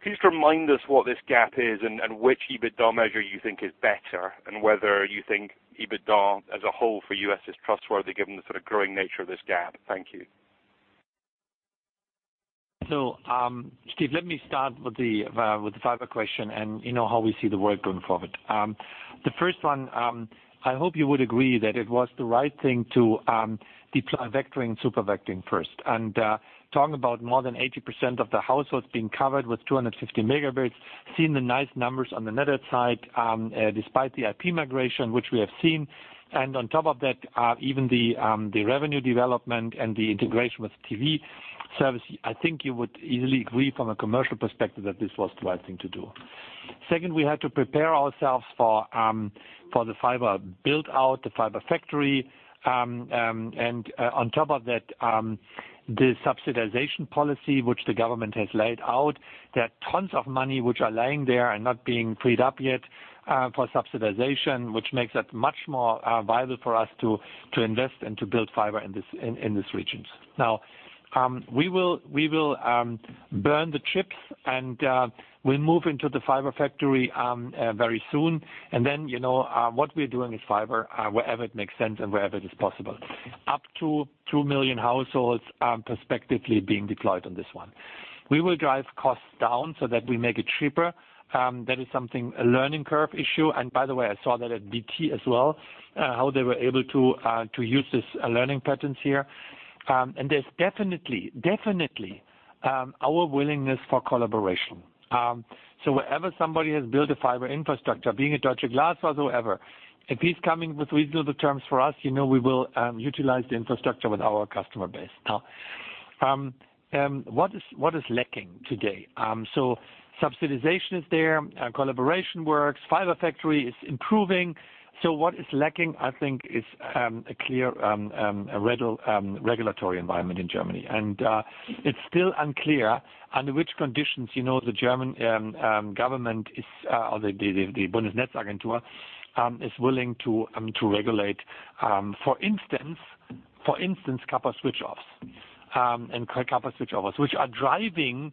Please remind us what this gap is and which EBITDA measure you think is better, and whether you think EBITDA as a whole for U.S. is trustworthy given the sort of growing nature of this gap? Thank you. Steve, let me start with the fiber question and how we see the world going forward. The first one, I hope you would agree that it was the right thing to deploy vectoring, super vectoring first. Talking about more than 80% of the households being covered with 250 Mb, seeing the nice numbers on the net add side, despite the IP migration, which we have seen. On top of that, even the revenue development and the integration with TV service, I think you would easily agree from a commercial perspective that this was the right thing to do. Second, we had to prepare ourselves for the fiber build-out, the fiber factory. On top of that, the subsidization policy which the government has laid out, there are tons of money which are lying there and not being freed up yet for subsidization, which makes that much more viable for us to invest and to build fiber in these regions. Now, we will burn the chips and we move into the fiber factory very soon. Then, what we're doing is fiber, wherever it makes sense and wherever it is possible. Up to two million households prospectively being deployed on this one. We will drive costs down so that we make it cheaper. That is something, a learning curve issue. By the way, I saw that at BT as well, how they were able to use these learning patterns here. There's definitely our willingness for collaboration. Wherever somebody has built a fiber infrastructure, being it Deutsche Glasfaser or whoever, if he's coming with reasonable terms for us, we will utilize the infrastructure with our customer base. What is lacking today? Subsidization is there. Collaboration works. Fiber factory is improving. What is lacking, I think, is a clear regulatory environment in Germany. It's still unclear under which conditions the German government is, or the Bundesnetzagentur is willing to regulate. For instance, copper switch offs, which are driving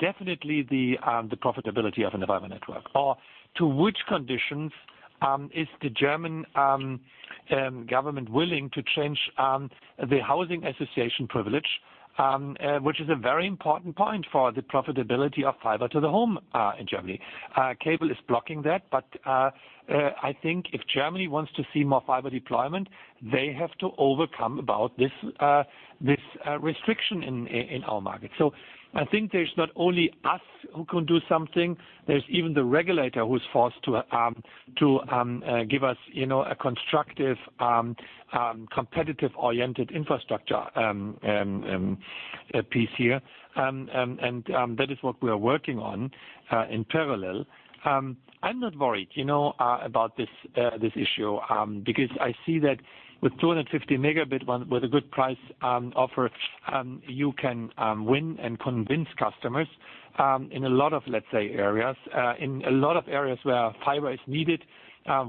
definitely the profitability of an environment network. Or to which conditions is the German government willing to change the housing association privilege, which is a very important point for the profitability of fiber to the home in Germany. Cable is blocking that but I think if Germany wants to see more fiber deployment, they have to overcome about this restriction in our market. I think there's not only us who can do something. There's even the regulator who's forced to give us a constructive, competitive-oriented infrastructure piece here. That is what we are working on in parallel. I'm not worried about this issue, because I see that with 250 Mb, with a good price offer, you can win and convince customers in a lot of, let's say, areas. In a lot of areas where fiber is needed,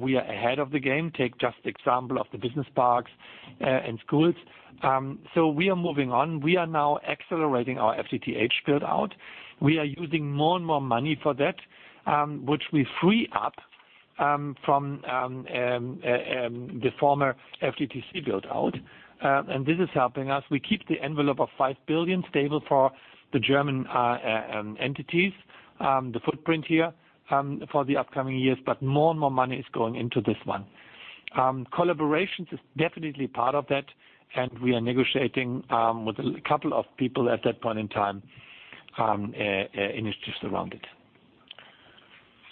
we are ahead of the game. Take just example of the business parks and schools. We are moving on. We are now accelerating our FTTH build-out. We are using more and more money for that, which we free up From the former FTTC build-out. This is helping us. We keep the envelope of 5 billion stable for the German entities, the footprint here for the upcoming years, but more and more money is going into this one. Collaboration is definitely part of that and we are negotiating with a couple of people at that point in time, initiatives around it.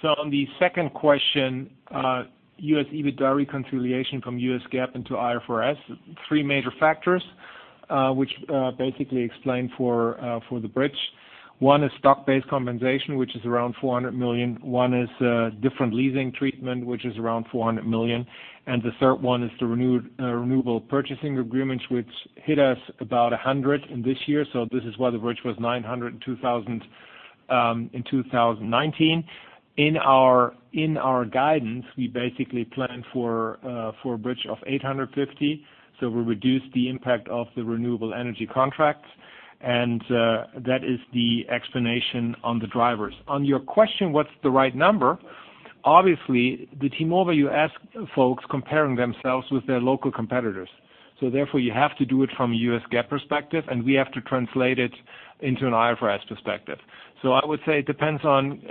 On the second question, U.S. EBITDA reconciliation from U.S. GAAP into IFRS, three major factors which basically explain for the bridge. One is stock-based compensation, which is around 400 million. One is different leasing treatment, which is around 400 million. The third one is the renewable purchasing agreements which hit us about 100 in this year. This is why the bridge was 900 in 2019. In our guidance, we basically planned for a bridge of 850. We reduced the impact of the renewable energy contracts and that is the explanation on the drivers. On your question, what's the right number? Obviously, the T-Mobile US folks comparing themselves with their local competitors. Therefore, you have to do it from a U.S. GAAP perspective, and we have to translate it into an IFRS perspective. I would say it depends on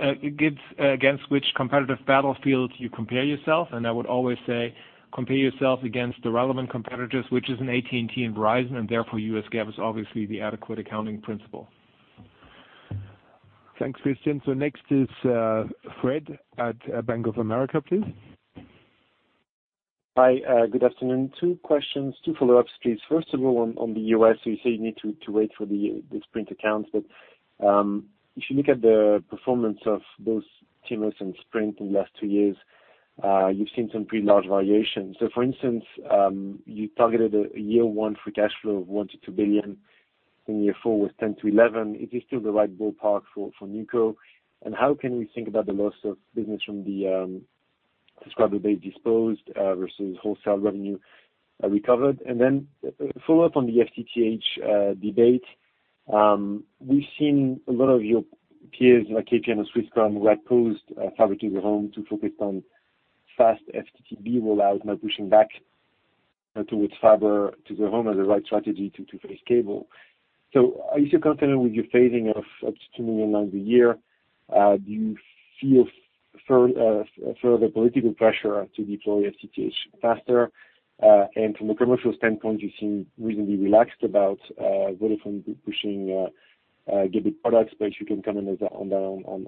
against which competitive battlefield you compare yourself and I would always say compare yourself against the relevant competitors which is an AT&T and Verizon, and therefore, US GAAP is obviously the adequate accounting principle. Thanks, Christian. Next is Fred at Bank of America, please. Hi, good afternoon. Two questions, two follow-ups, please. On the U.S., you say you need to wait for the Sprint accounts. If you look at the performance of both T-Mobile and Sprint in the last two years, you've seen some pretty large variations. For instance, you targeted a year one free cash flow of 1 billion-2 billion. In year four was 10 billion-11 billion. Is this still the right ballpark for NewCo? How can we think about the loss of business from the subscriber base disposed versus wholesale revenue recovered? A follow-up on the FTTH debate. We've seen a lot of your peers like KPN and Swisscom ret posed fiber to the home to focus on fast FTTB rollout, now pushing back towards fiber to the home as a right strategy to face cable. Are you still confident with your phasing of up to two million lines a year? Do you feel further political pressure to deploy FTTH faster? From a commercial standpoint, you seem reasonably relaxed about Vodafone pushing gigabit products, if you can comment on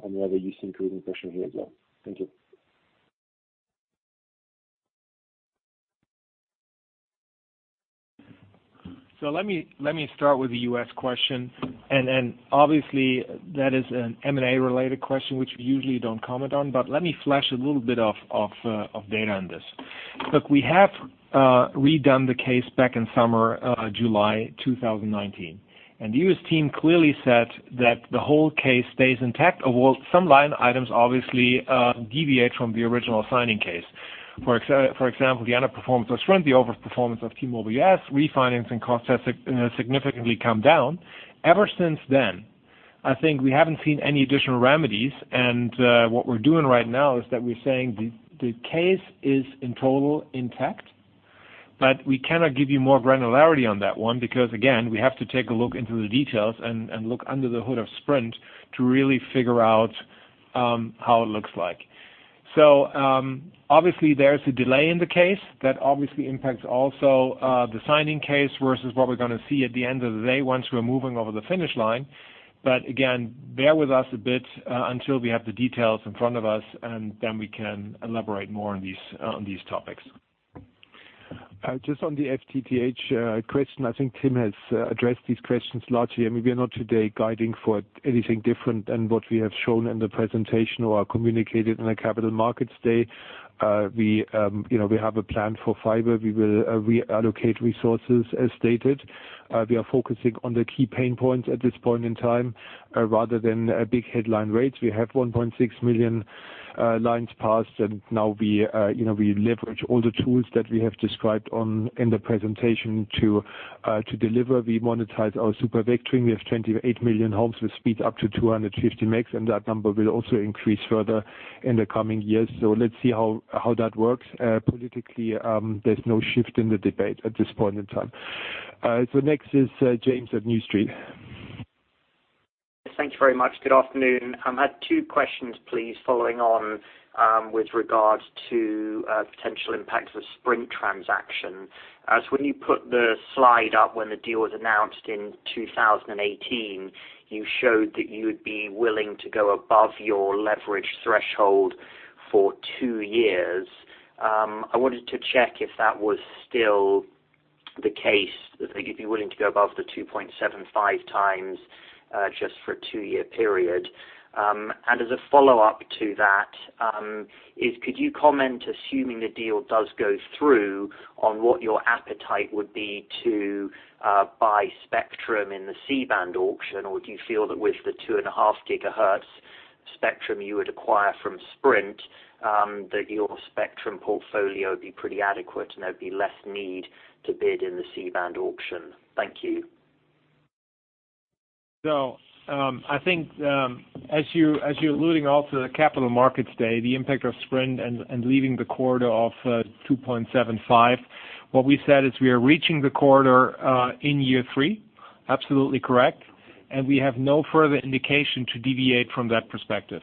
whether you see increasing pressure here as well. Thank you. Let me start with the U.S. question. Obviously, that is an M&A related question which we usually don't comment on. Let me flash a little bit of data on this. Look, we have redone the case back in summer, July 2019. The U.S. team clearly said that the whole case stays intact, although some line items obviously deviate from the original signing case. For example, the underperformance of Sprint, the overperformance of T-Mobile US, refinancing costs have significantly come down. Ever since then, I think we haven't seen any additional remedies, and what we're doing right now is that we're saying the case is, in total, intact, but we cannot give you more granularity on that one because, again, we have to take a look into the details and look under the hood of Sprint to really figure out how it looks like. Obviously, there's a delay in the case that obviously impacts also the signing case versus what we're going to see at the end of the day once we're moving over the finish line. Again, bear with us a bit until we have the details in front of us, and then we can elaborate more on these topics. Just on the FTTH question, I think Tim has addressed these questions largely, and we are not today guiding for anything different than what we have shown in the presentation or communicated in the Capital Markets Day. We have a plan for fiber. We will reallocate resources as stated. We are focusing on the key pain points at this point in time rather than big headline rates. We have 1.6 million lines passed, and now we leverage all the tools that we have described in the presentation to deliver. We monetize our super vectoring. We have 28 million homes with speed up to 250 megs, and that number will also increase further in the coming years. Let's see how that works. Politically, there's no shift in the debate at this point in time. Next is James of New Street. Thank you very much. Good afternoon. I had two questions, please, following on with regards to potential impacts of Sprint transaction. When you put the slide up when the deal was announced in 2018, you showed that you would be willing to go above your leverage threshold for two years. I wanted to check if that was still the case, if you'd be willing to go above the 2.75 times just for a two-year period. As a follow-up to that is could you comment, assuming the deal does go through, on what your appetite would be to buy spectrum in the C-band auction, or do you feel that with the 2.5 GHz spectrum you would acquire from Sprint, that your spectrum portfolio would be pretty adequate and there'd be less need to bid in the C-band auction? Thank you. I think as you're alluding also to the Capital Markets Day, the impact of Sprint and leaving the quarter off 2.75. What we said is we are reaching the quarter in year three. Absolutely correct. We have no further indication to deviate from that perspective.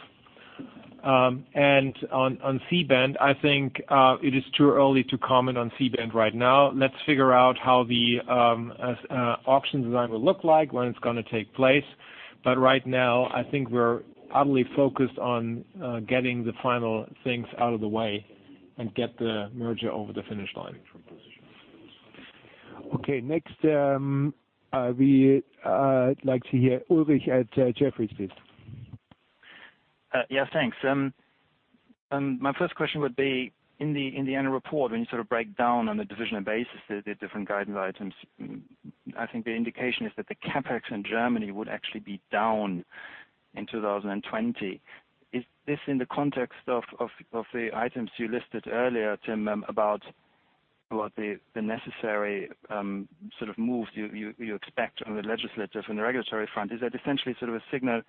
On C-band, I think it is too early to comment on C-band right now. Let's figure out how the auction design will look like, when it's going to take place. Right now, I think we're utterly focused on getting the final things out of the way and get the merger over the finish line. Okay, next, we like to hear Ulrich at Jefferies, please. Yes, thanks. My first question would be, in the annual report, when you break down on a divisional basis, the different guidance items. I think the indication is that the CapEx in Germany would actually be down in 2020. Is this in the context of the items you listed earlier, Tim, about the necessary moves you expect on the legislative and the regulatory front? Is that essentially a signal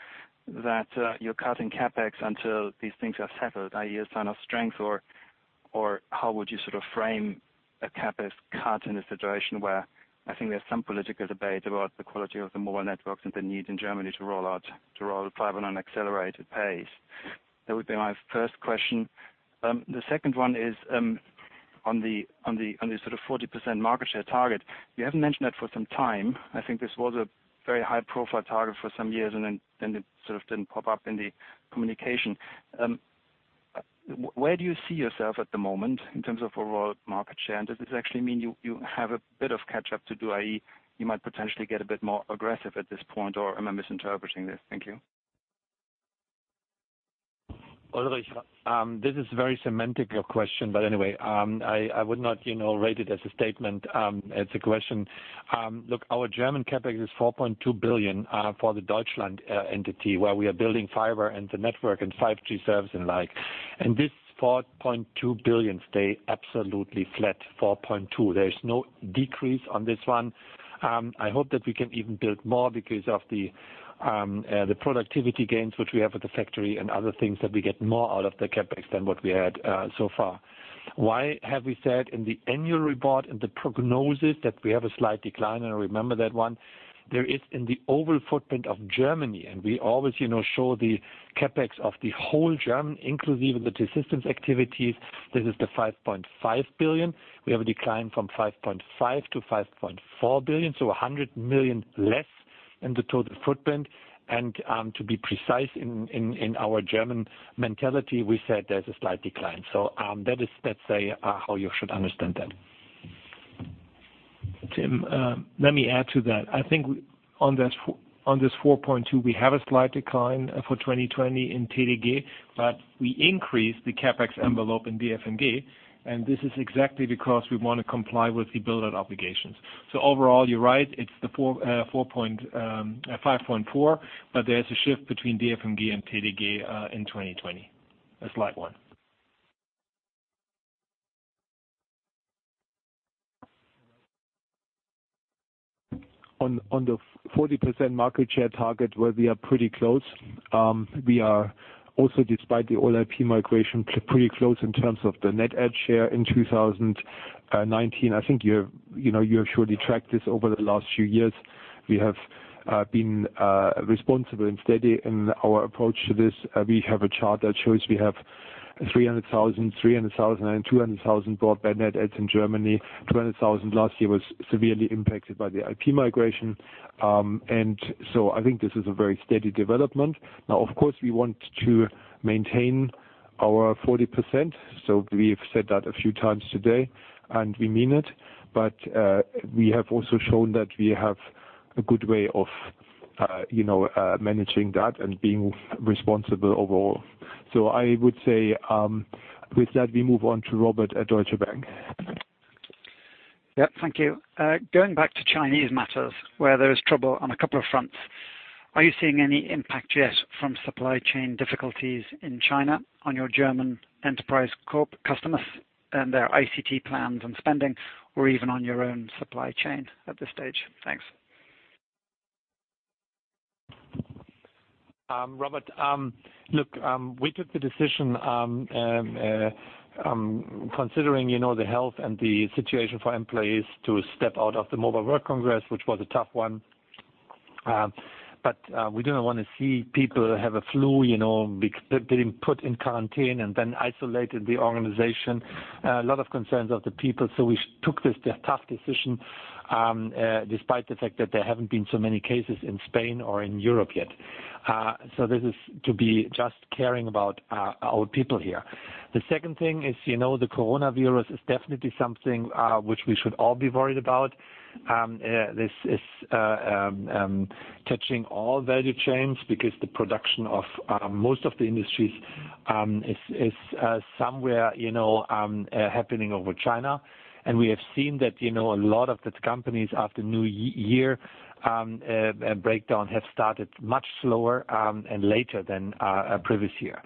that you're cutting CapEx until these things are settled, i.e., a sign of strength or how would you frame a CapEx cut in a situation where I think there's some political debate about the quality of the mobile networks and the need in Germany to roll out fiber on an accelerated pace? That would be my first question. The second one is on the 40% market share target. You haven't mentioned that for some time. I think this was a very high-profile target for some years, and then it didn't pop up in the communication. Where do you see yourself at the moment in terms of overall market share? Does this actually mean you have a bit of catch up to do, i.e., you might potentially get a bit more aggressive at this point, or am I misinterpreting this? Thank you. Ulrich, this is very semantical question. Anyway, I would not rate it as a statement, as a question. Look, our German CapEx is 4.2 billion for the Deutschland entity, where we are building fiber and the network and 5G service and like. This 4.2 billion stay absolutely flat, 4.2. There is no decrease on this one. I hope that we can even build more because of the productivity gains which we have at the factory and other things that we get more out of the CapEx than what we had so far. Why have we said in the annual report and the prognosis that we have a slight decline? I remember that one. There is in the overall footprint of Germany, we always show the CapEx of the whole German, inclusive of the T-Systems activities. This is the 5.5 billion. We have a decline from 5.5 billion-5.4 billion, so 100 million less in the total footprint. To be precise in our German mentality, we said there's a slight decline. That's how you should understand that. Tim, let me add to that. I think on this 4.2, we have a slight decline for 2020 in TDG but we increased the CapEx envelope in DFMG, and this is exactly because we want to comply with the build-out obligations. Overall, you're right, it's the 5.4, but there's a shift between DFMG and TDG in 2020, a slight one. On the 40% market share target where we are pretty close. We are also, despite the All-IP migration, pretty close in terms of the net add share in 2019. I think you have surely tracked this over the last few years. We have been responsible and steady in our approach to this. We have a chart that shows we have 300,000, 300,000, and 200,000 broadband net adds in Germany. 200,000 last year was severely impacted by the IP migration. I think this is a very steady development. Now, of course, we want to maintain our 40%, so we've said that a few times today, and we mean it. We have also shown that we have a good way of managing that and being responsible overall. I would say with that, we move on to Robert at Deutsche Bank. Yeah, thank you. Going back to Chinese matters, where there is trouble on a couple of fronts. Are you seeing any impact yet from supply chain difficulties in China on your German enterprise customers and their ICT plans and spending, or even on your own supply chain at this stage? Thanks. Robert. Look, we took the decision, considering the health and the situation for employees to step out of the Mobile World Congress, which was a tough one. We do not want to see people have a flu, getting put in quarantine and then isolate in the organization. A lot of concerns of the people. We took this tough decision, despite the fact that there haven't been so many cases in Spain or in Europe yet. This is to be just caring about our people here. The second thing is, the coronavirus is definitely something which we should all be worried about. This is touching all value chains because the production of most of the industries is somewhere happening over China. We have seen that a lot of the companies after New Year breakdown have started much slower and later than previous year.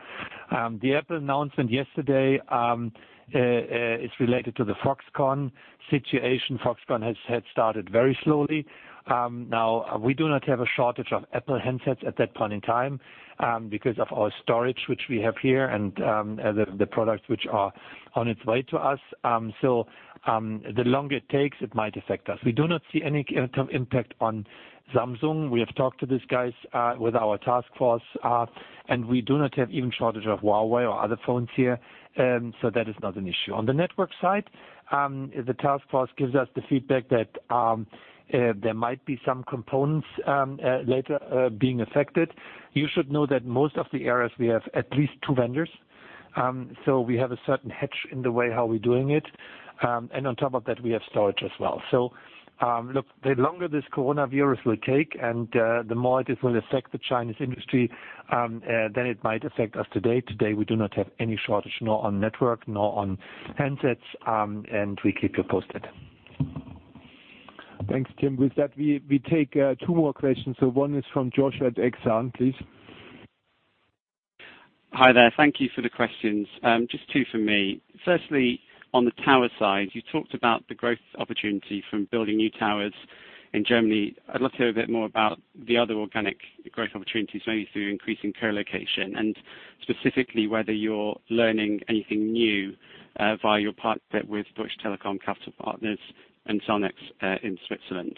The Apple announcement yesterday is related to the Foxconn situation. Foxconn had started very slowly. Now, we do not have a shortage of Apple handsets at that point in time because of our storage, which we have here, and the products which are on its way to us. The longer it takes, it might affect us. We do not see any impact on Samsung. We have talked to these guys with our task force. We do not have even shortage of Huawei or other phones here. That is not an issue. On the network side, the task force gives us the feedback that there might be some components later being affected. You should know that most of the areas we have at least two vendors. We have a certain hedge in the way how we're doing it. On top of that, we have storage as well. Look, the longer this coronavirus will take and the more it is going to affect the Chinese industry, then it might affect us today. Today, we do not have any shortage, nor on network, nor on handsets. We keep you posted. Thanks, Tim. With that, we take two more questions. One is from Joshua at Exane, please. Hi there. Thank you for the questions. Just two from me. Firstly, on the tower side, you talked about the growth opportunity from building new towers in Germany. I'd love to hear a bit more about the other organic growth opportunities, maybe through increasing co-location, and specifically whether you're learning anything new via your partnership with Deutsche Telekom Capital Partners and Sonax in Switzerland.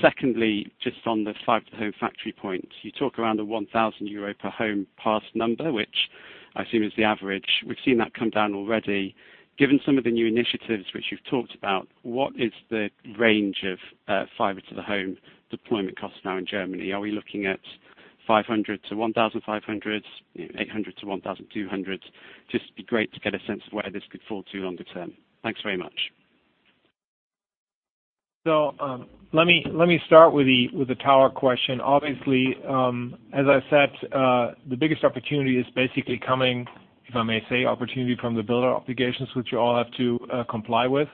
Secondly, just on the fiber to the home factory point. You talk around a 1,000 euro per home passed number, which I assume is the average. We've seen that come down already. Given some of the new initiatives which you've talked about, what is the range of fiber to the home deployment cost now in Germany? Are we looking at 500-1,500, 800-1,200? Just be great to get a sense of where this could fall to longer term. Thanks very much. Let me start with the tower question. Obviously, as I said, the biggest opportunity is basically coming, if I may say, opportunity from the build-out obligations, which you all have to comply with,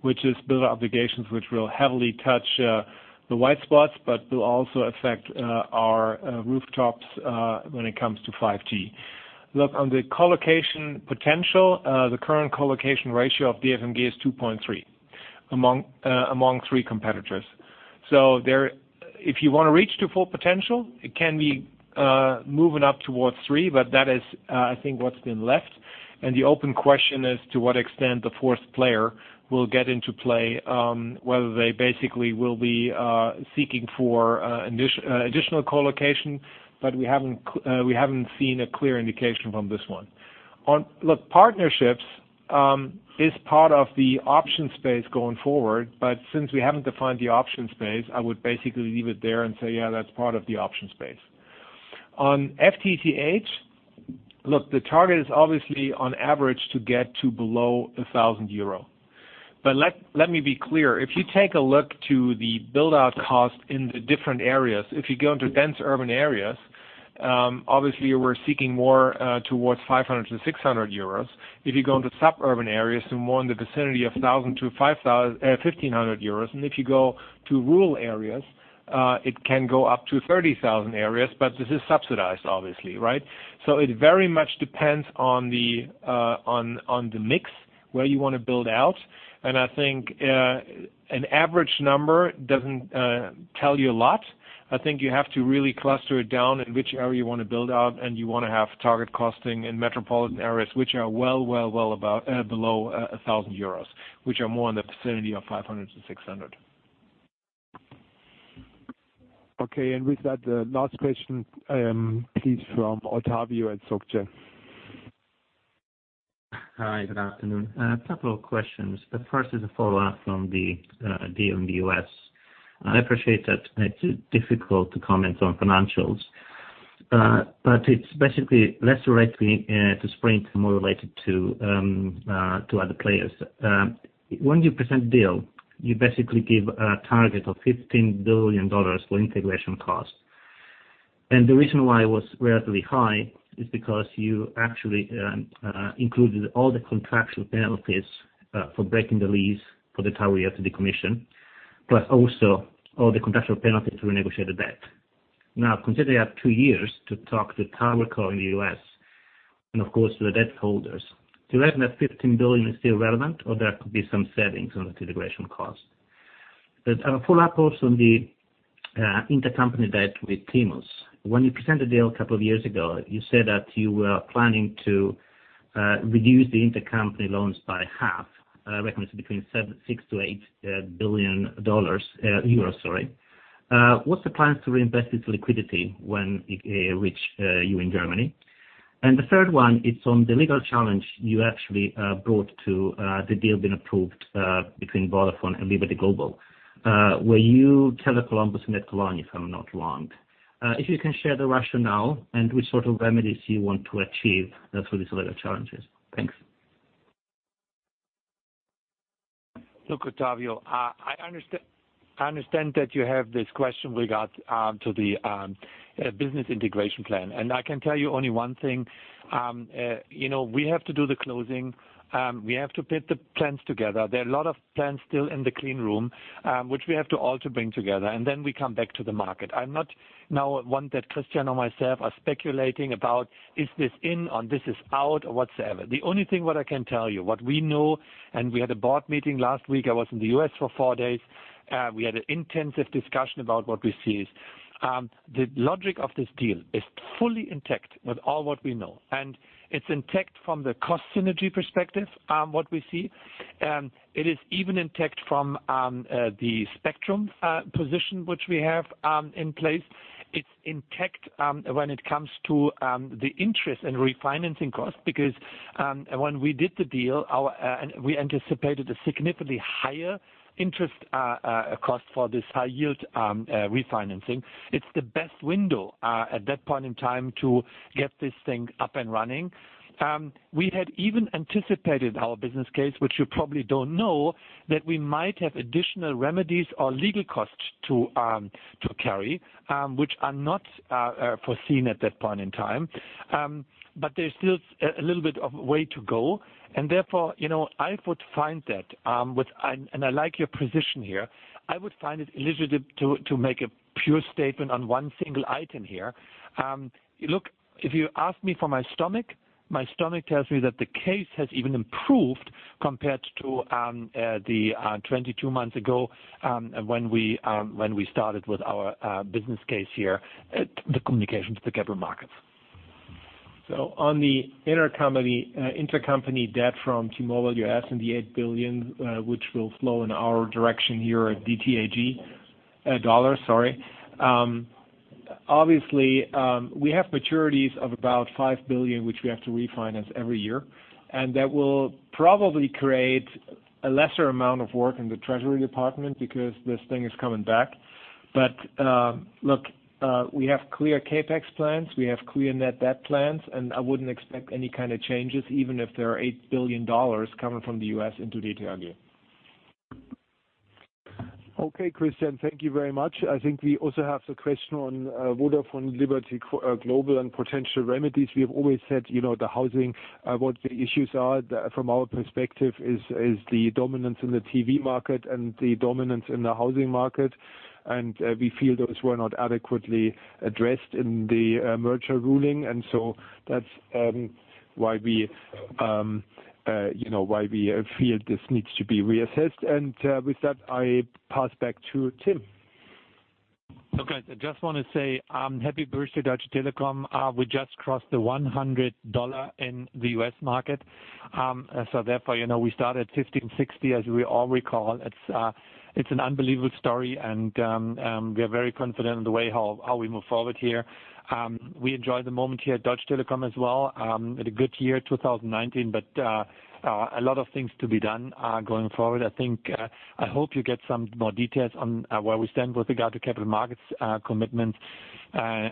which is build-out obligations, which will heavily touch the white spots, but will also affect our rooftops when it comes to 5G. Look, on the co-location potential, the current co-location ratio of DFMG is 2.3 among three competitors. If you want to reach to full potential, it can be moving up towards three, but that is, I think, what's been left. The open question is to what extent the fourth player will get into play, whether they basically will be seeking for additional co-location, but we haven't seen a clear indication from this one. Look, partnerships is part of the option space going forward, but since we haven't defined the option space, I would basically leave it there and say, yeah, that's part of the option space. On FTTH, look, the target is obviously on average to get to below 1,000 euro. Let me be clear. If you take a look to the build-out cost in the different areas, if you go into dense urban areas, obviously we're seeking more towards 500-600 euros. If you go into suburban areas, to more in the vicinity of 1,000-1,500 euros. If you go to rural areas, it can go up to 30,000, but this is subsidized, obviously. It very much depends on the mix, where you want to build out. I think an average number doesn't tell you a lot. I think you have to really cluster it down in which area you want to build out, and you want to have target costing in metropolitan areas, which are well below 1,000 euros, which are more in the vicinity of 500-600. Okay. With that, the last question, please, from Ottavio at SocGen. Hi, good afternoon. A couple of questions. The first is a follow-up from the deal in the U.S. I appreciate that it's difficult to comment on financials. It's basically less directly to Sprint, more related to other players. When you present deal, you basically give a target of $15 billion for integration cost. The reason why it was relatively high is because you actually included all the contractual penalties for breaking the lease for the tower you have to decommission, but also all the contractual penalties to renegotiate the debt. Considering you have two years to talk to TowerCo in the U.S., and of course, to the debt holders. Do you reckon that $15 billion is still relevant, or there could be some savings on the integration cost? A follow-up also on the intercompany debt with T-Mobile US. When you presented the deal a couple of years ago, you said that you were planning to reduce the intercompany loans by half, I reckon it's between EUR 6 billion-EUR 8 billion, euro, sorry. What's the plan to reinvest this liquidity when it reach you in Germany? The third one, it's on the legal challenge you actually brought to the deal being approved between Vodafone and Liberty Global. Where you Tele Columbus NetCologne, if I'm not wrong. If you can share the rationale and which sort of remedies you want to achieve through these legal challenges. Thanks. Look, Ottavio, I understand that you have this question regard to the business integration plan. I can tell you only one thing. We have to do the closing. We have to put the plans together. There are a lot of plans still in the clean room, which we have to also bring together, then we come back to the market. I'm not now one that Christian or myself are speculating about is this in or this is out or whatsoever. The only thing what I can tell you, what we know, we had a board meeting last week. I was in the U.S. for four days. We had an intensive discussion about what we see. The logic of this deal is fully intact with all what we know. It's intact from the cost synergy perspective, what we see. It is even intact from the spectrum position which we have in place. It's intact when it comes to the interest and refinancing cost, because when we did the deal, we anticipated a significantly higher interest cost for this high yield refinancing. It's the best window at that point in time to get this thing up and running. We had even anticipated our business case, which you probably don't know, that we might have additional remedies or legal costs to carry, which are not foreseen at that point in time. There's still a little bit of way to go. Therefore, and I like your position here, I would find it illogical to make a pure statement on one single item here. Look, if you ask me for my stomach, my stomach tells me that the case has even improved compared to the 22 months ago, when we started with our business case here at the communications with the capital markets. On the intercompany debt from T-Mobile US and the $8 billion, which will flow in our direction here at DTAG. Dollars, sorry. Obviously, we have maturities of about $5 billion which we have to refinance every year, and that will probably create a lesser amount of work in the treasury department because this thing is coming back. Look, we have clear CapEx plans, we have clear net debt plans, and I wouldn't expect any kind of changes, even if there are $8 billion coming from the U.S. into DTAG. Okay, Christian, thank you very much. I think we also have the question on Vodafone Liberty Global and potential remedies. We have always said, what the issues are from our perspective is the dominance in the TV market and the dominance in the household market. We feel those were not adequately addressed in the merger ruling. That's why we feel this needs to be reassessed. With that, I pass back to Tim. Okay. I just want to say happy birthday, Deutsche Telekom. We just crossed the $100 in the U.S. market. We started 15.60, as we all recall. It's an unbelievable story and we are very confident in the way how we move forward here. We enjoy the moment here at Deutsche Telekom as well. Had a good year, 2019, but a lot of things to be done going forward. I think, I hope you get some more details on where we stand with regard to capital markets commitments.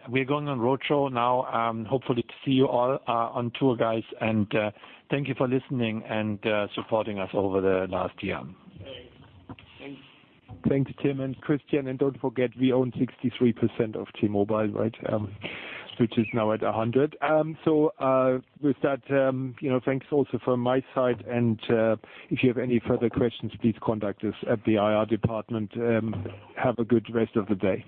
We're going on roadshow now, hopefully to see you all on tour, guys. Thank you for listening and supporting us over the last year. Thanks. Thanks. Thank you, Tim and Christian. Don't forget, we own 63% of T-Mobile, which is now at 100. With that, thanks also from my side. If you have any further questions, please contact us at the IR department. Have a good rest of the day.